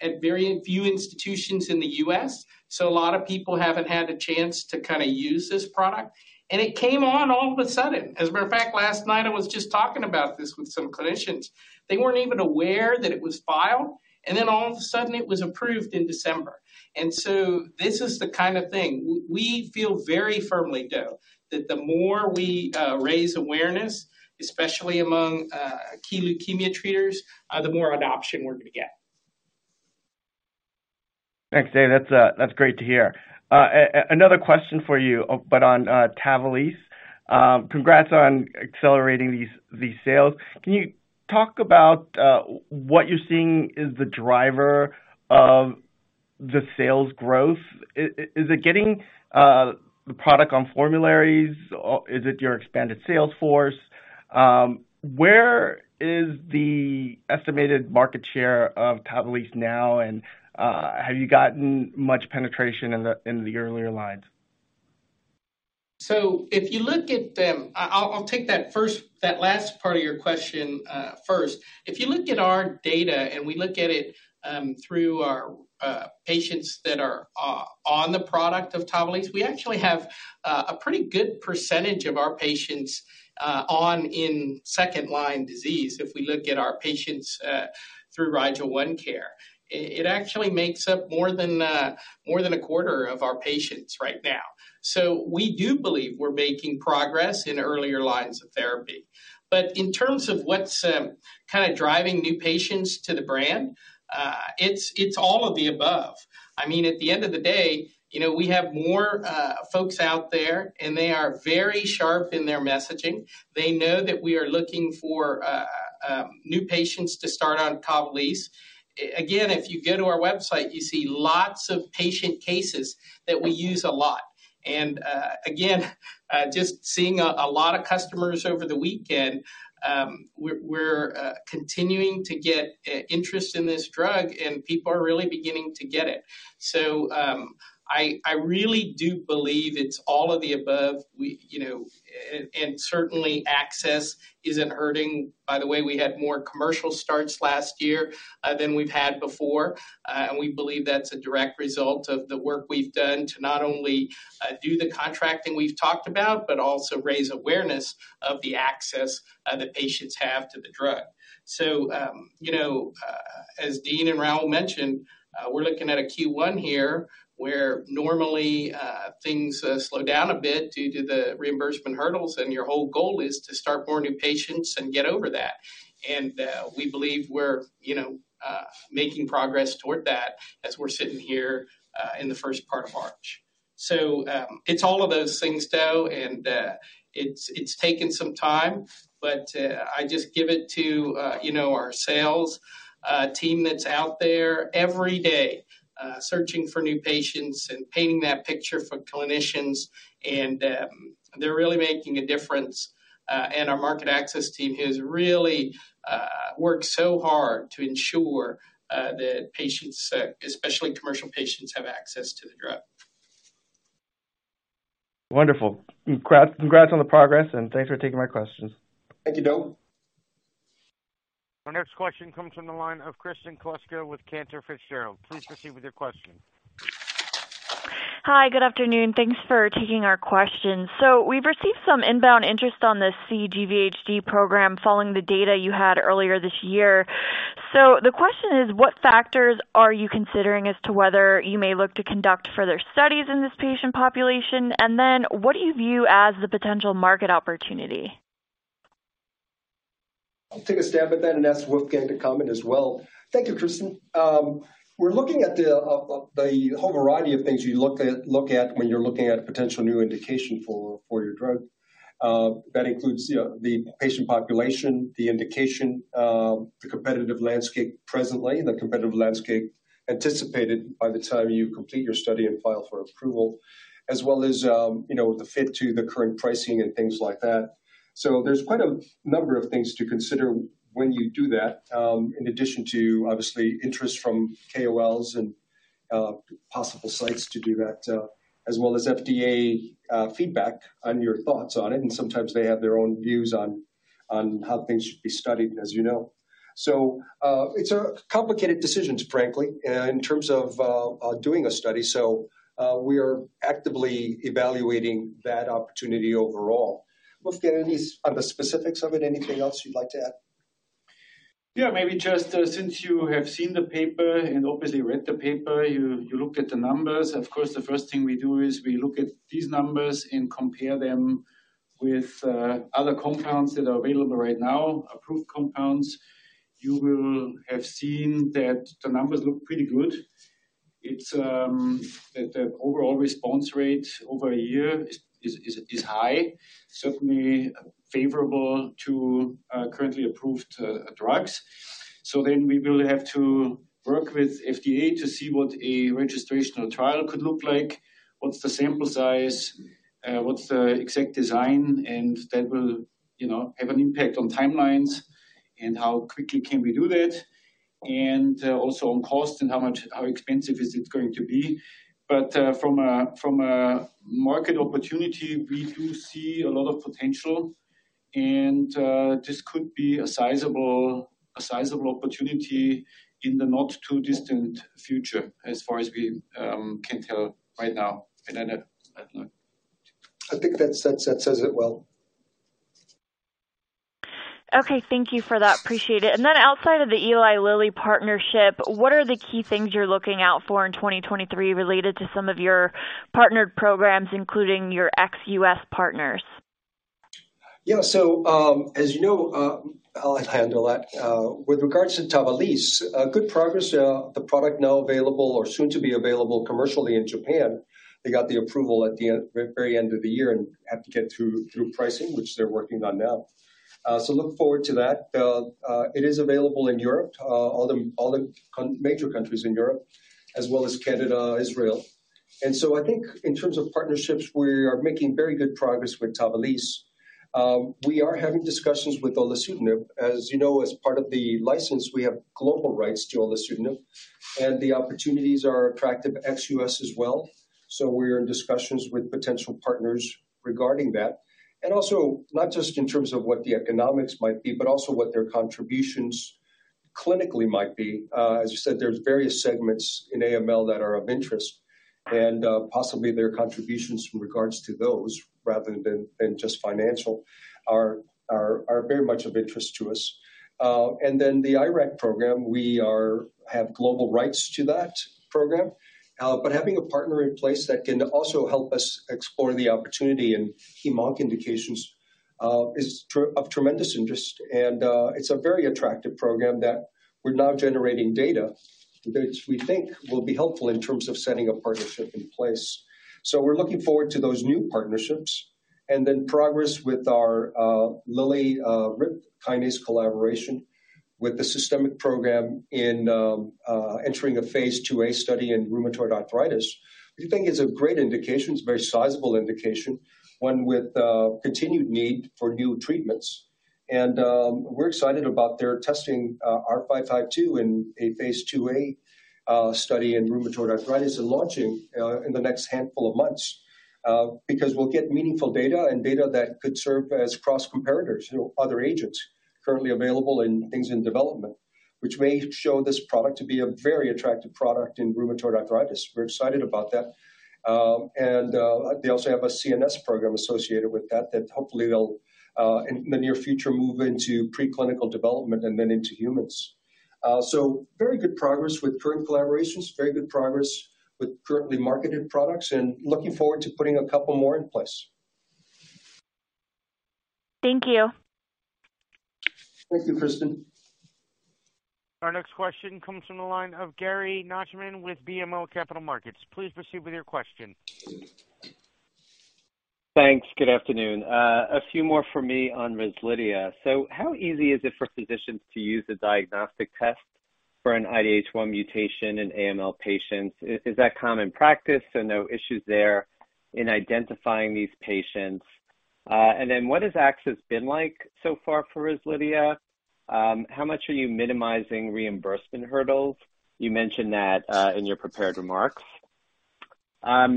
at very few institutions in the U.S., so a lot of people haven't had a chance to kinda use this product. It came on all of a sudden. As a matter of fact, last night I was just talking about this with some clinicians. They weren't even aware that it was filed, and then all of a sudden it was approved in December. This is the kind of thing we feel very firmly though, that the more we raise awareness, especially among key leukemia treaters, the more adoption we're gonna get. Thanks, Dave. That's, that's great to hear. Another question for you, but on TAVALISSE. Congrats on accelerating these sales. Can you talk about what you're seeing is the driver of the sales growth? Is it getting the product on formularies, or is it your expanded sales force? Where is the estimated market share of TAVALISSE now, and have you gotten much penetration in the, in the earlier lines? If you look at the... I'll take that last part of your question first. If you look at our data, and we look at it through our patients that are on the product of TAVALISSE, we actually have a pretty good percentage of our patients on in second-line disease if we look at our patients through RIGEL ONECARE. It actually makes up more than a quarter of our patients right now. We do believe we're making progress in earlier lines of therapy. In terms of what's kinda driving new patients to the brand, it's all of the above. I mean, at the end of the day, you know, we have more folks out there, and they are very sharp in their messaging. They know that we are looking for new patients to start on TAVALISSE. Again, if you go to our website, you see lots of patient cases that we use a lot. Again, just seeing a lot of customers over the weekend, we're continuing to get interest in this drug, and people are really beginning to get it. I really do believe it's all of the above. We, you know. Certainly access isn't hurting. By the way, we had more commercial starts last year than we've had before. We believe that's a direct result of the work we've done to not only do the contracting we've talked about, but also raise awareness of the access that patients have to the drug. You know, as Dean and Raul mentioned, we're looking at a Q1 here, where normally, things slow down a bit due to the reimbursement hurdles, and your whole goal is to start more new patients and get over that. We believe we're, you know, making progress toward that as we're sitting here in the first part of March. It's all of those things, though, and it's taken some time, but I just give it to, you know, our sales team that's out there every day, searching for new patients and painting that picture for clinicians and they're really making a difference. And our market access team has really worked so hard to ensure that patients, especially commercial patients, have access to the drug. Wonderful. Congrats on the progress and thanks for taking my questions. Thank you, Doug. Our next question comes from the line of Kristen Kluska with Cantor Fitzgerald. Please proceed with your question. Hi, good afternoon. Thanks for taking our questions. We've received some inbound interest on the cGVHD program following the data you had earlier this year. The question is, what factors are you considering as to whether you may look to conduct further studies in this patient population? What do you view as the potential market opportunity? I'll take a stab at that and ask Wolfgang to comment as well. Thank you, Kristen. We're looking at the whole variety of things you look at when you're looking at potential new indication for your drug. That includes, you know, the patient population, the indication, the competitive landscape presently, the competitive landscape anticipated by the time you complete your study and file for approval, as well as, you know, the fit to the current pricing and things like that. There's quite a number of things to consider when you do that, in addition to obviously interest from KOLs and possible sites to do that, as well as FDA feedback on your thoughts on it. Sometimes they have their own views on how things should be studied, as you know. it's a complicated decisions, frankly, in terms of doing a study. We are actively evaluating that opportunity overall. Wolfgang, on the specifics of it, anything else you'd like to add? Yeah, maybe just, since you have seen the paper and obviously read the paper, you looked at the numbers. Of course, the first thing we do is we look at these numbers and compare them with other compounds that are available right now, approved compounds. You will have seen that the numbers look pretty good. It's that the overall response rate over a year is high, certainly favorable to currently approved drugs. We will have to work with FDA to see what a registrational trial could look like. What's the sample size? What's the exact design? That will, you know, have an impact on timelines and how quickly can we do that. Also on cost and how much, how expensive is it going to be. From a market opportunity, we do see a lot of potential. This could be a sizable opportunity in the not too distant future as far as we can tell right now. I think that says it well. Okay. Thank you for that. Appreciate it. Outside of the Eli Lilly partnership, what are the key things you're looking out for in 2023 related to some of your partnered programs, including your ex-U.S. partners? Yeah. As you know, I'll handle that. With regards to TAVALISSE, good progress. The product now available or soon to be available commercially in Japan. They got the approval at the end, very end of the year and have to get through pricing, which they're working on now. Look forward to that. It is available in Europe, all the major countries in Europe, as well as Canada, Israel. I think in terms of partnerships, we are making very good progress with TAVALISSE. We are having discussions with olutasidenib. As you know, as part of the license, we have global rights to olutasidenib, and the opportunities are attractive ex-U.S. as well. We're in discussions with potential partners regarding that. Also not just in terms of what the economics might be, but also what their contributions clinically might be. As you said, there's various segments in AML that are of interest, and possibly their contributions in regards to those rather than just financial are very much of interest to us. The IRAK program, we have global rights to that program. Having a partner in place that can also help us explore the opportunity in heme onc indications, is of tremendous interest. It's a very attractive program that we're now generating data that we think will be helpful in terms of setting a partnership in place. We're looking forward to those new partnerships. Progress with our Lilly RIP kinase collaboration with the systemic program entering a phase IIA study in rheumatoid arthritis. We think it's a great indication. It's a very sizable indication, one with continued need for new treatments. We're excited about their testing R552 in a phase IIA study in rheumatoid arthritis and launching in the next handful of months. Because we'll get meaningful data and data that could serve as cross comparators to other agents currently available and things in development, which may show this product to be a very attractive product in rheumatoid arthritis. We're excited about that. They also have a CNS program associated with that hopefully they'll in the near future, move into preclinical development and then into humans. Very good progress with current collaborations. Very good progress with currently marketed products, and looking forward to putting a couple more in place. Thank you. Thank you, Kristen. Our next question comes from the line of Gary Nachman with BMO Capital Markets. Please proceed with your question. Thanks. Good afternoon. A few more for me on REZLIDHIA. How easy is it for physicians to use a diagnostic test for an IDH1 mutation in AML patients? Is that common practice? No issues there in identifying these patients? What has access been like so far for REZLIDHIA? How much are you minimizing reimbursement hurdles? You mentioned that in your prepared remarks. How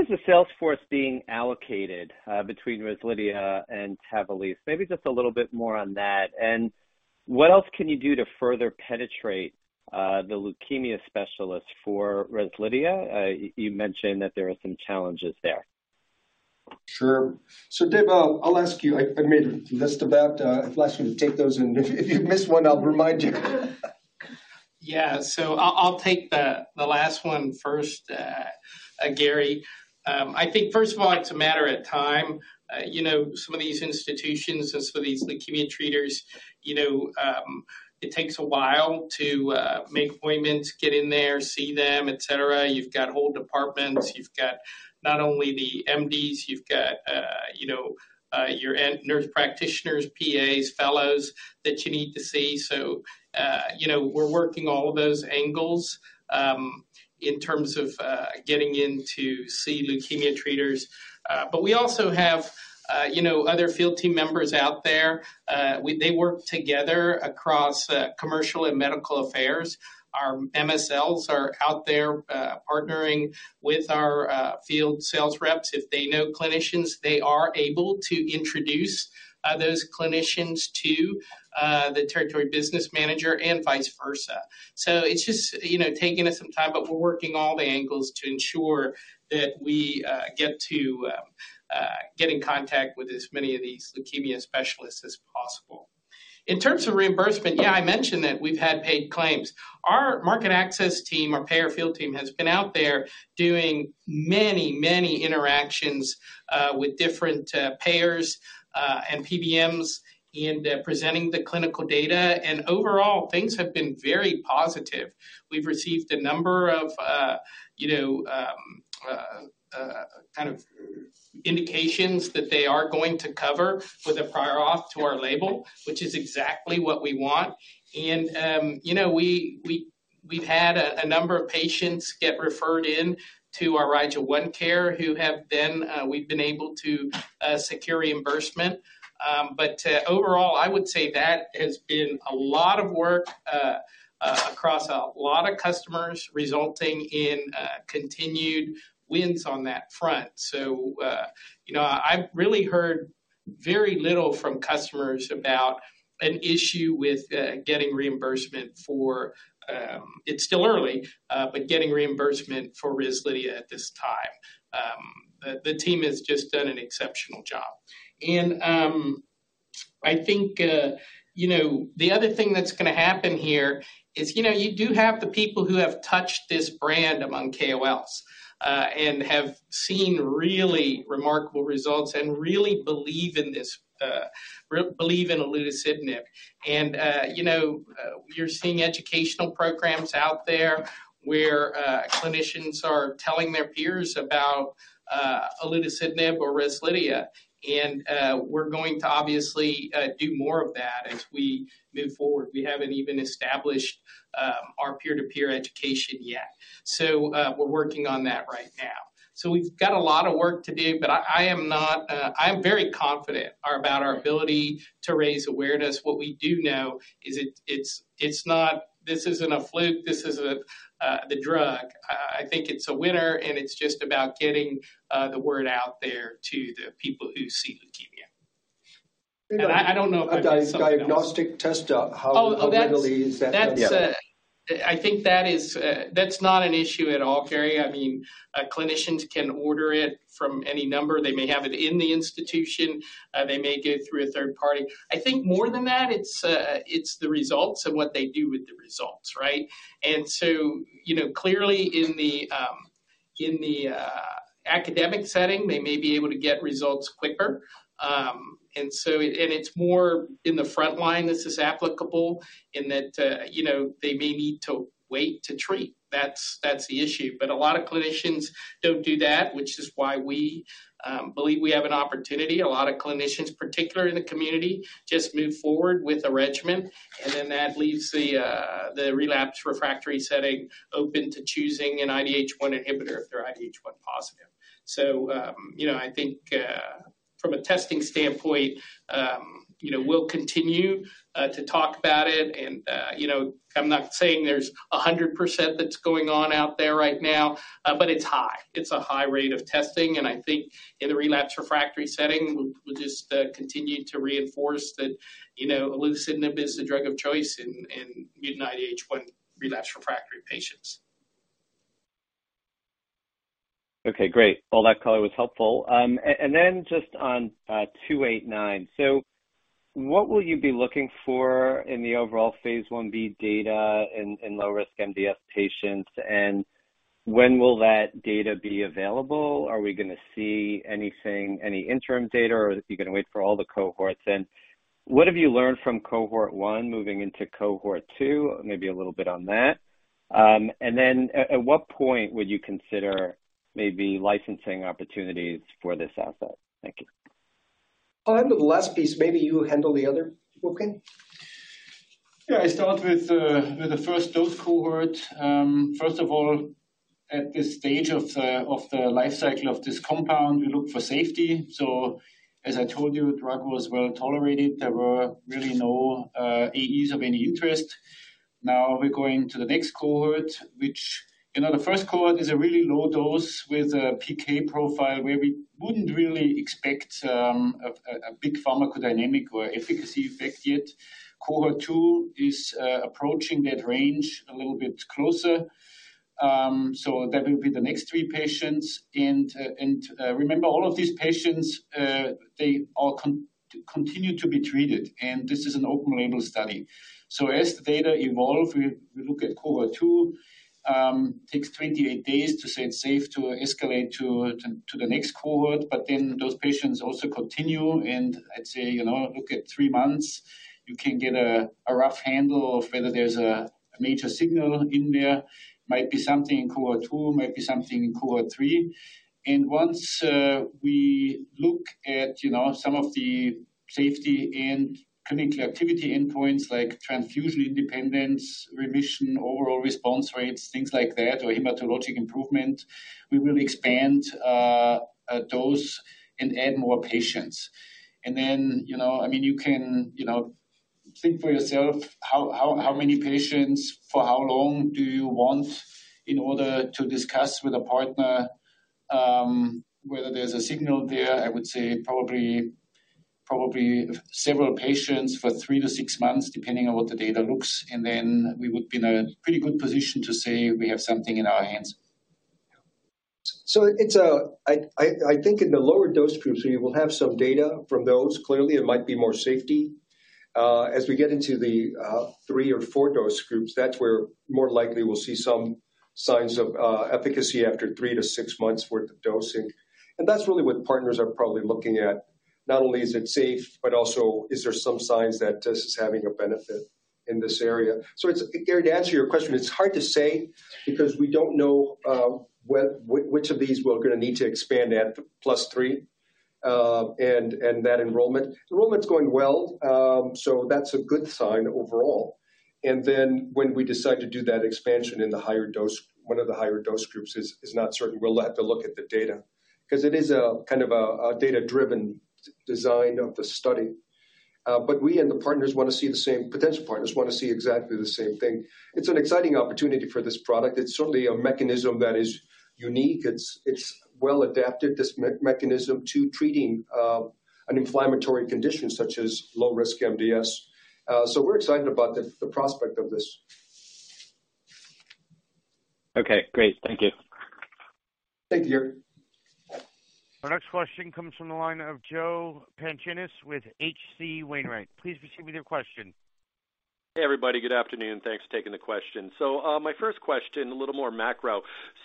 is the sales force being allocated between REZLIDHIA and TAVALISSE? Maybe just a little bit more on that. What else can you do to further penetrate the leukemia specialist for REZLIDHIA? You mentioned that there are some challenges there. Sure. Dev, I'll ask you. I made a list of about. I'll ask you to take those, and if you miss one, I'll remind you. Yeah. I'll take the last one first, Gary. I think first of all, it's a matter of time. You know, some of these institutions and some of these leukemia treaters, you know, it takes a while to make appointments, get in there, see them, et cetera. You've got whole departments. You've got not only the MDs, you've got, you know, your nurse practitioners, PAs, fellows that you need to see. You know, we're working all of those angles in terms of getting in to see leukemia treaters. But we also have, you know, other field team members out there. They work together across commercial and medical affairs. Our MSLs are out there, partnering with our field sales reps. If they know clinicians, they are able to introduce those clinicians to the territory business manager and vice versa. It's just, you know, taking us some time, but we're working all the angles to ensure that we get to get in contact with as many of these leukemia specialists as possible. In terms of reimbursement, yeah, I mentioned that we've had paid claims. Our market access team, our payer field team, has been out there doing many, many interactions with different payers and PBMs in presenting the clinical data. Overall, things have been very positive. We've received a number of, you know, kind of indications that they are going to cover with a prior auth to our label, which is exactly what we want. You know, we've had a number of patients get referred in to our RIGEL ONECARE who have been able to secure reimbursement. Overall, I would say that has been a lot of work across a lot of customers, resulting in continued wins on that front. You know, I've really heard very little from customers about an issue with getting reimbursement for. It's still early, but getting reimbursement for REZLIDHIA at this time. The team has just done an exceptional job. I think, you know, the other thing that's gonna happen here is, you know, you do have the people who have touched this brand among KOLs and have seen really remarkable results and really believe in this re-believe in olutasidenib. You know, we are seeing educational programs out there where clinicians are telling their peers about olutasidenib or REZLIDHIA. We're going to obviously do more of that as we move forward. We haven't even established our peer-to-peer education yet. We're working on that right now. We've got a lot of work to do, but I am not, I am very confident around our ability to raise awareness. What we do know is it's, it's not... This isn't a fluke. This is a the drug. I think it's a winner, and it's just about getting the word out there to the people who see leukemia. I don't know if there's something else- A diagnostic test. Oh, oh, that's- How readily is that done? Yeah. That's, I think that is, that's not an issue at all, Gary. I mean, clinicians can order it from any number. They may have it in the institution. They may go through a third party. I think more than that, it's the results and what they do with the results, right? You know, clearly in the, in the academic setting, they may be able to get results quicker. It's more in the front line this is applicable in that, you know, they may need to wait to treat. That's, that's the issue. A lot of clinicians don't do that, which is why we, believe we have an opportunity. A lot of clinicians, particularly in the community, just move forward with a regimen, and then that leaves the relapse refractory setting open to choosing an IDH1 inhibitor if they're IDH1 positive. You know, I think from a testing standpoint, you know, we'll continue to talk about it and, you know, I'm not saying there's 100% that's going on out there right now, but it's high. It's a high rate of testing, and I think in a relapse refractory setting, we'll just continue to reinforce that, you know, olutasidenib is the drug of choice in mutant IDH1 relapse refractory patients. Okay, great. All that color was helpful. And then just on 289. What will you be looking for in the overall phase IB data in low risk MDS patients, and when will that data be available? Are we gonna see anything, any interim data, or are you gonna wait for all the cohorts? What have you learned from cohort 1 moving into cohort 2? Maybe a little bit on that. At what point would you consider maybe licensing opportunities for this asset? Thank you. I'll handle the last piece. Maybe you handle the other, Mukund. Yeah, I start with the first dose cohort. First of all, at this stage of the life cycle of this compound, we look for safety. As I told you, the drug was well tolerated. There were really no AEs of any interest. Now we're going to the next cohort, which, you know, the first cohort is a really low dose with a PK profile, where we wouldn't really expect a big pharmacodynamic or efficacy effect yet. Cohort 2 is approaching that range a little bit closer. That will be the next three patients. Remember, all of these patients continue to be treated, and this is an open label study. As the data evolve, we look at cohort two, takes 28 days to say it's safe to escalate to the next cohort. Those patients also continue. I'd say, you know, look at three months, you can get a rough handle of whether there's a major signal in there. Might be something in cohort 2, might be something in cohort 3. Once we look at, you know, some of the safety and clinical activity endpoints like transfusion independence, remission, overall response rates, things like that, or hematologic improvement, we will expand a dose and add more patients. You know, I mean, you can, you know, think for yourself how many patients for how long do you want in order to discuss with a partner whether there's a signal there. I would say probably several patients for 3-6 months, depending on what the data looks. We would be in a pretty good position to say we have something in our hands. It's, I think in the lower dose groups, we will have some data from those. Clearly, it might be more safety. As we get into the three or four dose groups, that's where more likely we'll see some signs of efficacy after 3-6 months worth of dosing. That's really what partners are probably looking at. Not only is it safe, but also is there some signs that this is having a benefit in this area. It's, Gary, to answer your question, it's hard to say because we don't know which of these we're gonna need to expand at +3, and that enrollment. Enrollment's going well, that's a good sign overall. When we decide to do that expansion in the higher dose, one of the higher dose groups is not certain. We'll have to look at the data 'cause it is a, kind of a data-driven design of the study. We and the partners wanna see the same potential partners wanna see exactly the same thing. It's an exciting opportunity for this product. It's certainly a mechanism that is unique. It's well adapted, this mechanism to treating an inflammatory condition such as low risk MDS. We're excited about the prospect of this. Okay, great. Thank you. Thank you. Our next question comes from the line of Joe Pantginis with H.C. Wainwright & Co. Please proceed with your question. Hey, everybody. Good afternoon. Thanks for taking the question. My first question, a little more macro.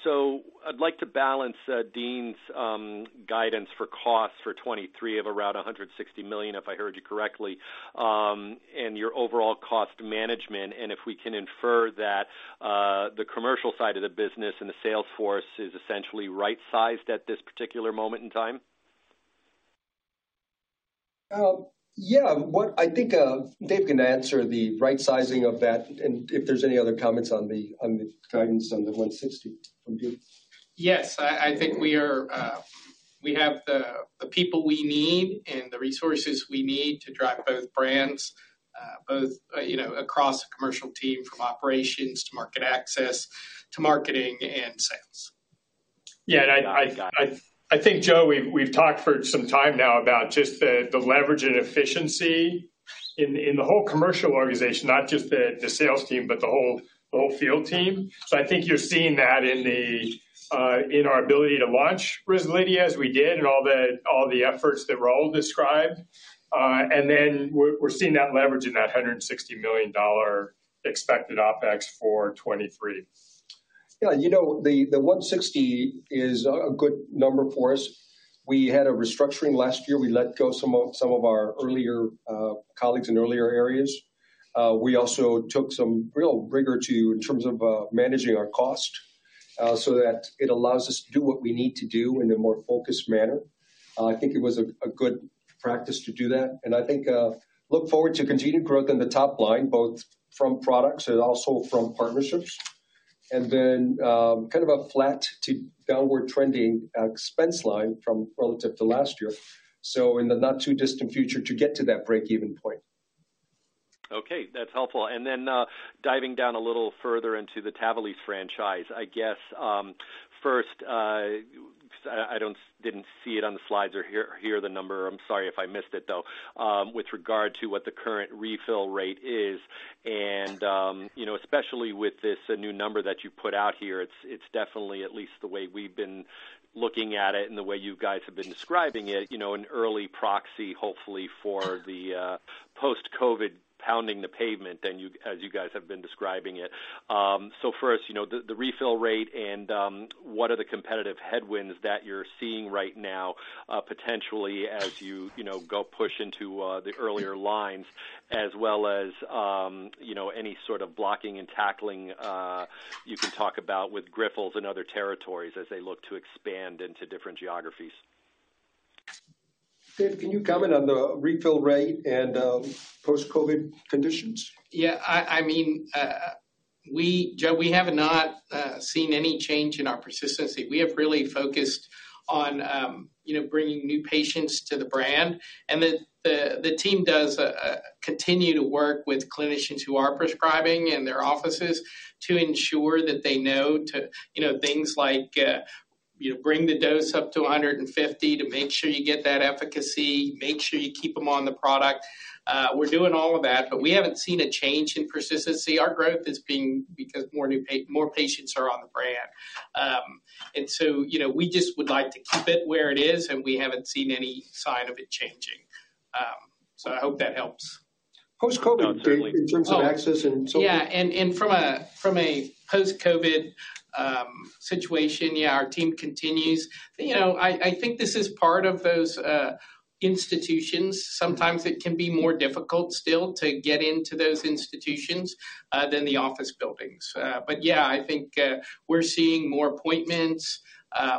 I'd like to balance Dean's guidance for costs for 2023 of around $160 million, if I heard you correctly, and your overall cost management, and if we can infer that the commercial side of the business and the sales force is essentially right-sized at this particular moment in time. Yeah. What I think, Dave can answer the right sizing of that and if there's any other comments on the guidance on the $160 from you. Yes. I think we are, we have the people we need and the resources we need to drive both brands, both, you know, across the commercial team from operations to market access to marketing and sales. Yeah. I. Got it. I think, Joe, we've talked for some time now about just the leverage and efficiency in the whole commercial organization, not just the sales team, but the whole field team. I think you're seeing that in our ability to launch REZLIDHIA as we did and all the efforts that Raul described. We're seeing that leverage in that $160 million expected OpEx for 2023. You know, the 160 is a good number for us. We had a restructuring last year. We let go some of our earlier colleagues in earlier areas. We also took some real rigor, too, in terms of managing our cost so that it allows us to do what we need to do in a more focused manner. I think it was a good practice to do that, and I think look forward to continued growth in the top line, both from products and also from partnerships. kind of a flat to downward trending expense line from relative to last year, so in the not too distant future to get to that break-even point. Okay, that's helpful. Diving down a little further into the TAVALISSE franchise, I guess, first, I didn't see it on the slides or hear the number, I'm sorry if I missed it though, with regard to what the current refill rate is. You know, especially with this new number that you've put out here, it's definitely at least the way we've been looking at it and the way you guys have been describing it, you know, an early proxy, hopefully for the post-COVID pounding the pavement as you guys have been describing it. First, you know, the refill rate and what are the competitive headwinds that you're seeing right now, potentially as you know, go push into the earlier lines as well as, you know, any sort of blocking and tackling you can talk about with Grifols and other territories as they look to expand into different geographies? Dave, can you comment on the refill rate and, post-COVID conditions? Yeah. I mean, Joe, we have not seen any change in our persistency. We have really focused on, you know, bringing new patients to the brand. The team does continue to work with clinicians who are prescribing in their offices to ensure that they know to, you know, things like, you know, bring the dose up to 150 to make sure you get that efficacy, make sure you keep them on the product. We're doing all of that, we haven't seen a change in persistency. Our growth is being because more new patients are on the brand. You know, we just would like to keep it where it is, and we haven't seen any sign of it changing. I hope that helps. Post-COVID in terms of access and so on. Yeah. From a, from a post-COVID situation, yeah, our team continues. You know, I think this is part of those institutions. Sometimes it can be more difficult still to get into those institutions than the office buildings. Yeah, I think we're seeing more appointments,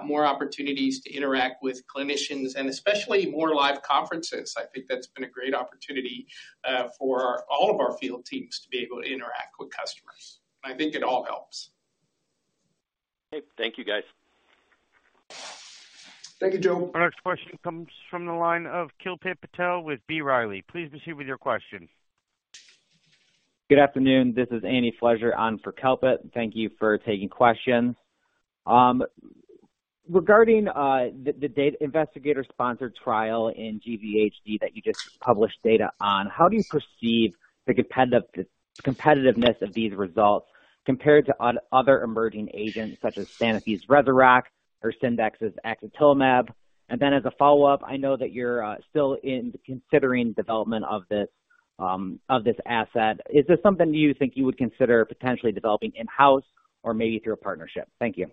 more opportunities to interact with clinicians and especially more live conferences. I think that's been a great opportunity for all of our field teams to be able to interact with customers. I think it all helps. Okay. Thank you, guys. Thank you, Joe. Our next question comes from the line of Kalpit Patel with B. Riley. Please proceed with your question. Good afternoon. This is Andy Fletcher on for Kalpit. Thank you for taking questions. Regarding the data investigator-sponsored trial in GVHD that you just published data on, how do you perceive the competitiveness of these results compared to other emerging agents such as Sanofi's REZUROCK or Syndax's axatilimab? As a follow-up, I know that you're still considering development of this asset. Is this something you think you would consider potentially developing in-house or maybe through a partnership? Thank you.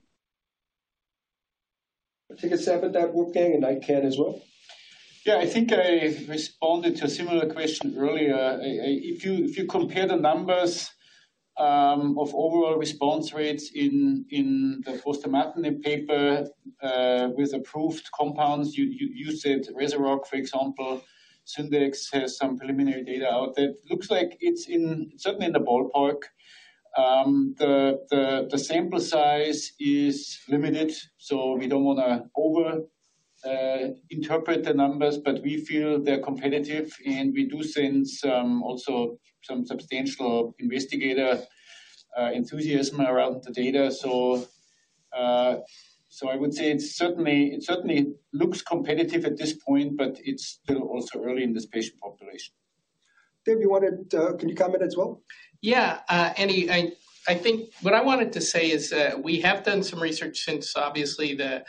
Take a stab at that, Wolfgang, and I can as well. Yeah. I think I responded to a similar question earlier. If you compare the numbers of overall response rates in the Foster Matten paper, with approved compounds, you said REZUROCK, for example. Syndax has some preliminary data out there. It looks like it's certainly in the ballpark. The sample size is limited, so we don't wanna over interpret the numbers, but we feel they're competitive, and we do sense some, also some substantial investigator enthusiasm around the data. I would say it certainly looks competitive at this point, but it's still also early in this patient population. Dave, you wanted... Can you comment as well? Yeah. Andy, I think what I wanted to say is that we have done some research since obviously the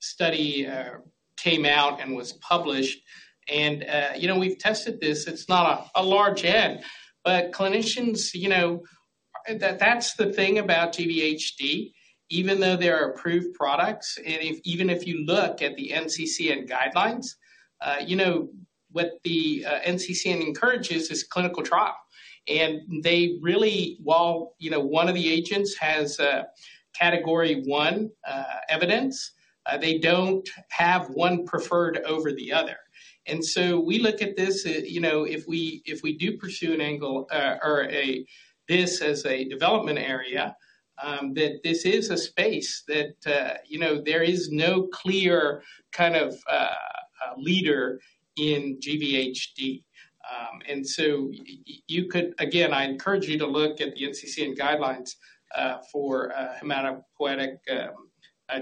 study came out and was published. You know, we've tested this. It's not a large N, but clinicians, you know. That's the thing about GVHD, even though there are approved products, even if you look at the NCCN guidelines, you know, what the NCCN encourages is clinical trial. They really, while, you know, one of the agents has category one evidence, they don't have one preferred over the other. We look at this, you know, if we, if we do pursue an angle, or this as a development area, that this is a space that, you know, there is no clear kind of leader in GVHD. You could. Again, I encourage you to look at the NCCN guidelines, for hematopoietic,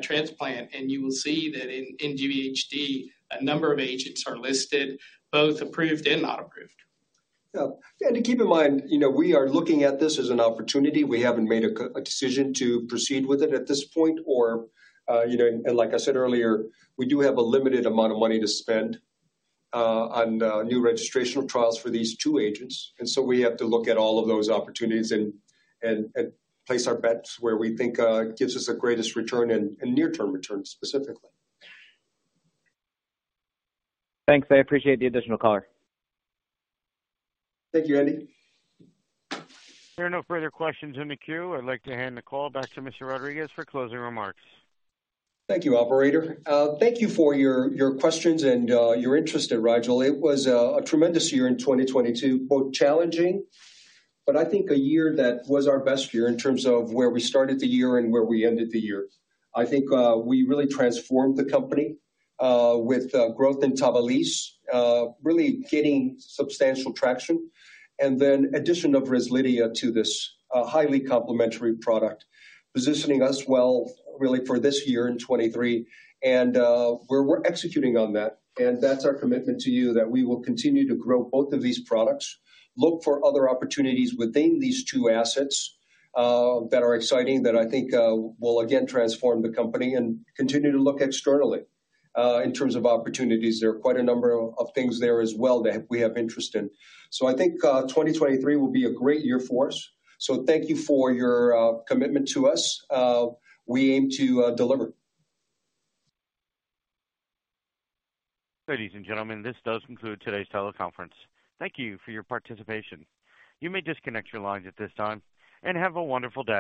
transplant, and you will see that in GVHD, a number of agents are listed, both approved and not approved. Yeah. To keep in mind, you know, we are looking at this as an opportunity. We haven't made a decision to proceed with it at this point or, you know. Like I said earlier, we do have a limited amount of money to spend on new registrational trials for these two agents. We have to look at all of those opportunities and place our bets where we think gives us the greatest return and near-term returns specifically. Thanks. I appreciate the additional color. Thank you, Andy. There are no further questions in the queue. I'd like to hand the call back to Mr. Rodriguez for closing remarks. Thank you, operator. Thank you for your questions and your interest in Rigel. It was a tremendous year in 2022. Both challenging, but I think a year that was our best year in terms of where we started the year and where we ended the year. I think we really transformed the company with growth in TAVALISSE, really gaining substantial traction, and then addition of REZLIDHIA to this highly complementary product, positioning us well really for this year in 2023. We're, we're executing on that, and that's our commitment to you that we will continue to grow both of these products, look for other opportunities within these two assets, that are exciting, that I think will again transform the company and continue to look externally in terms of opportunities. There are quite a number of things there as well that we have interest in. I think, 2023 will be a great year for us. Thank you for your commitment to us. We aim to deliver. Ladies and gentlemen, this does conclude today's teleconference. Thank you for your participation. You may disconnect your lines at this time, and have a wonderful day.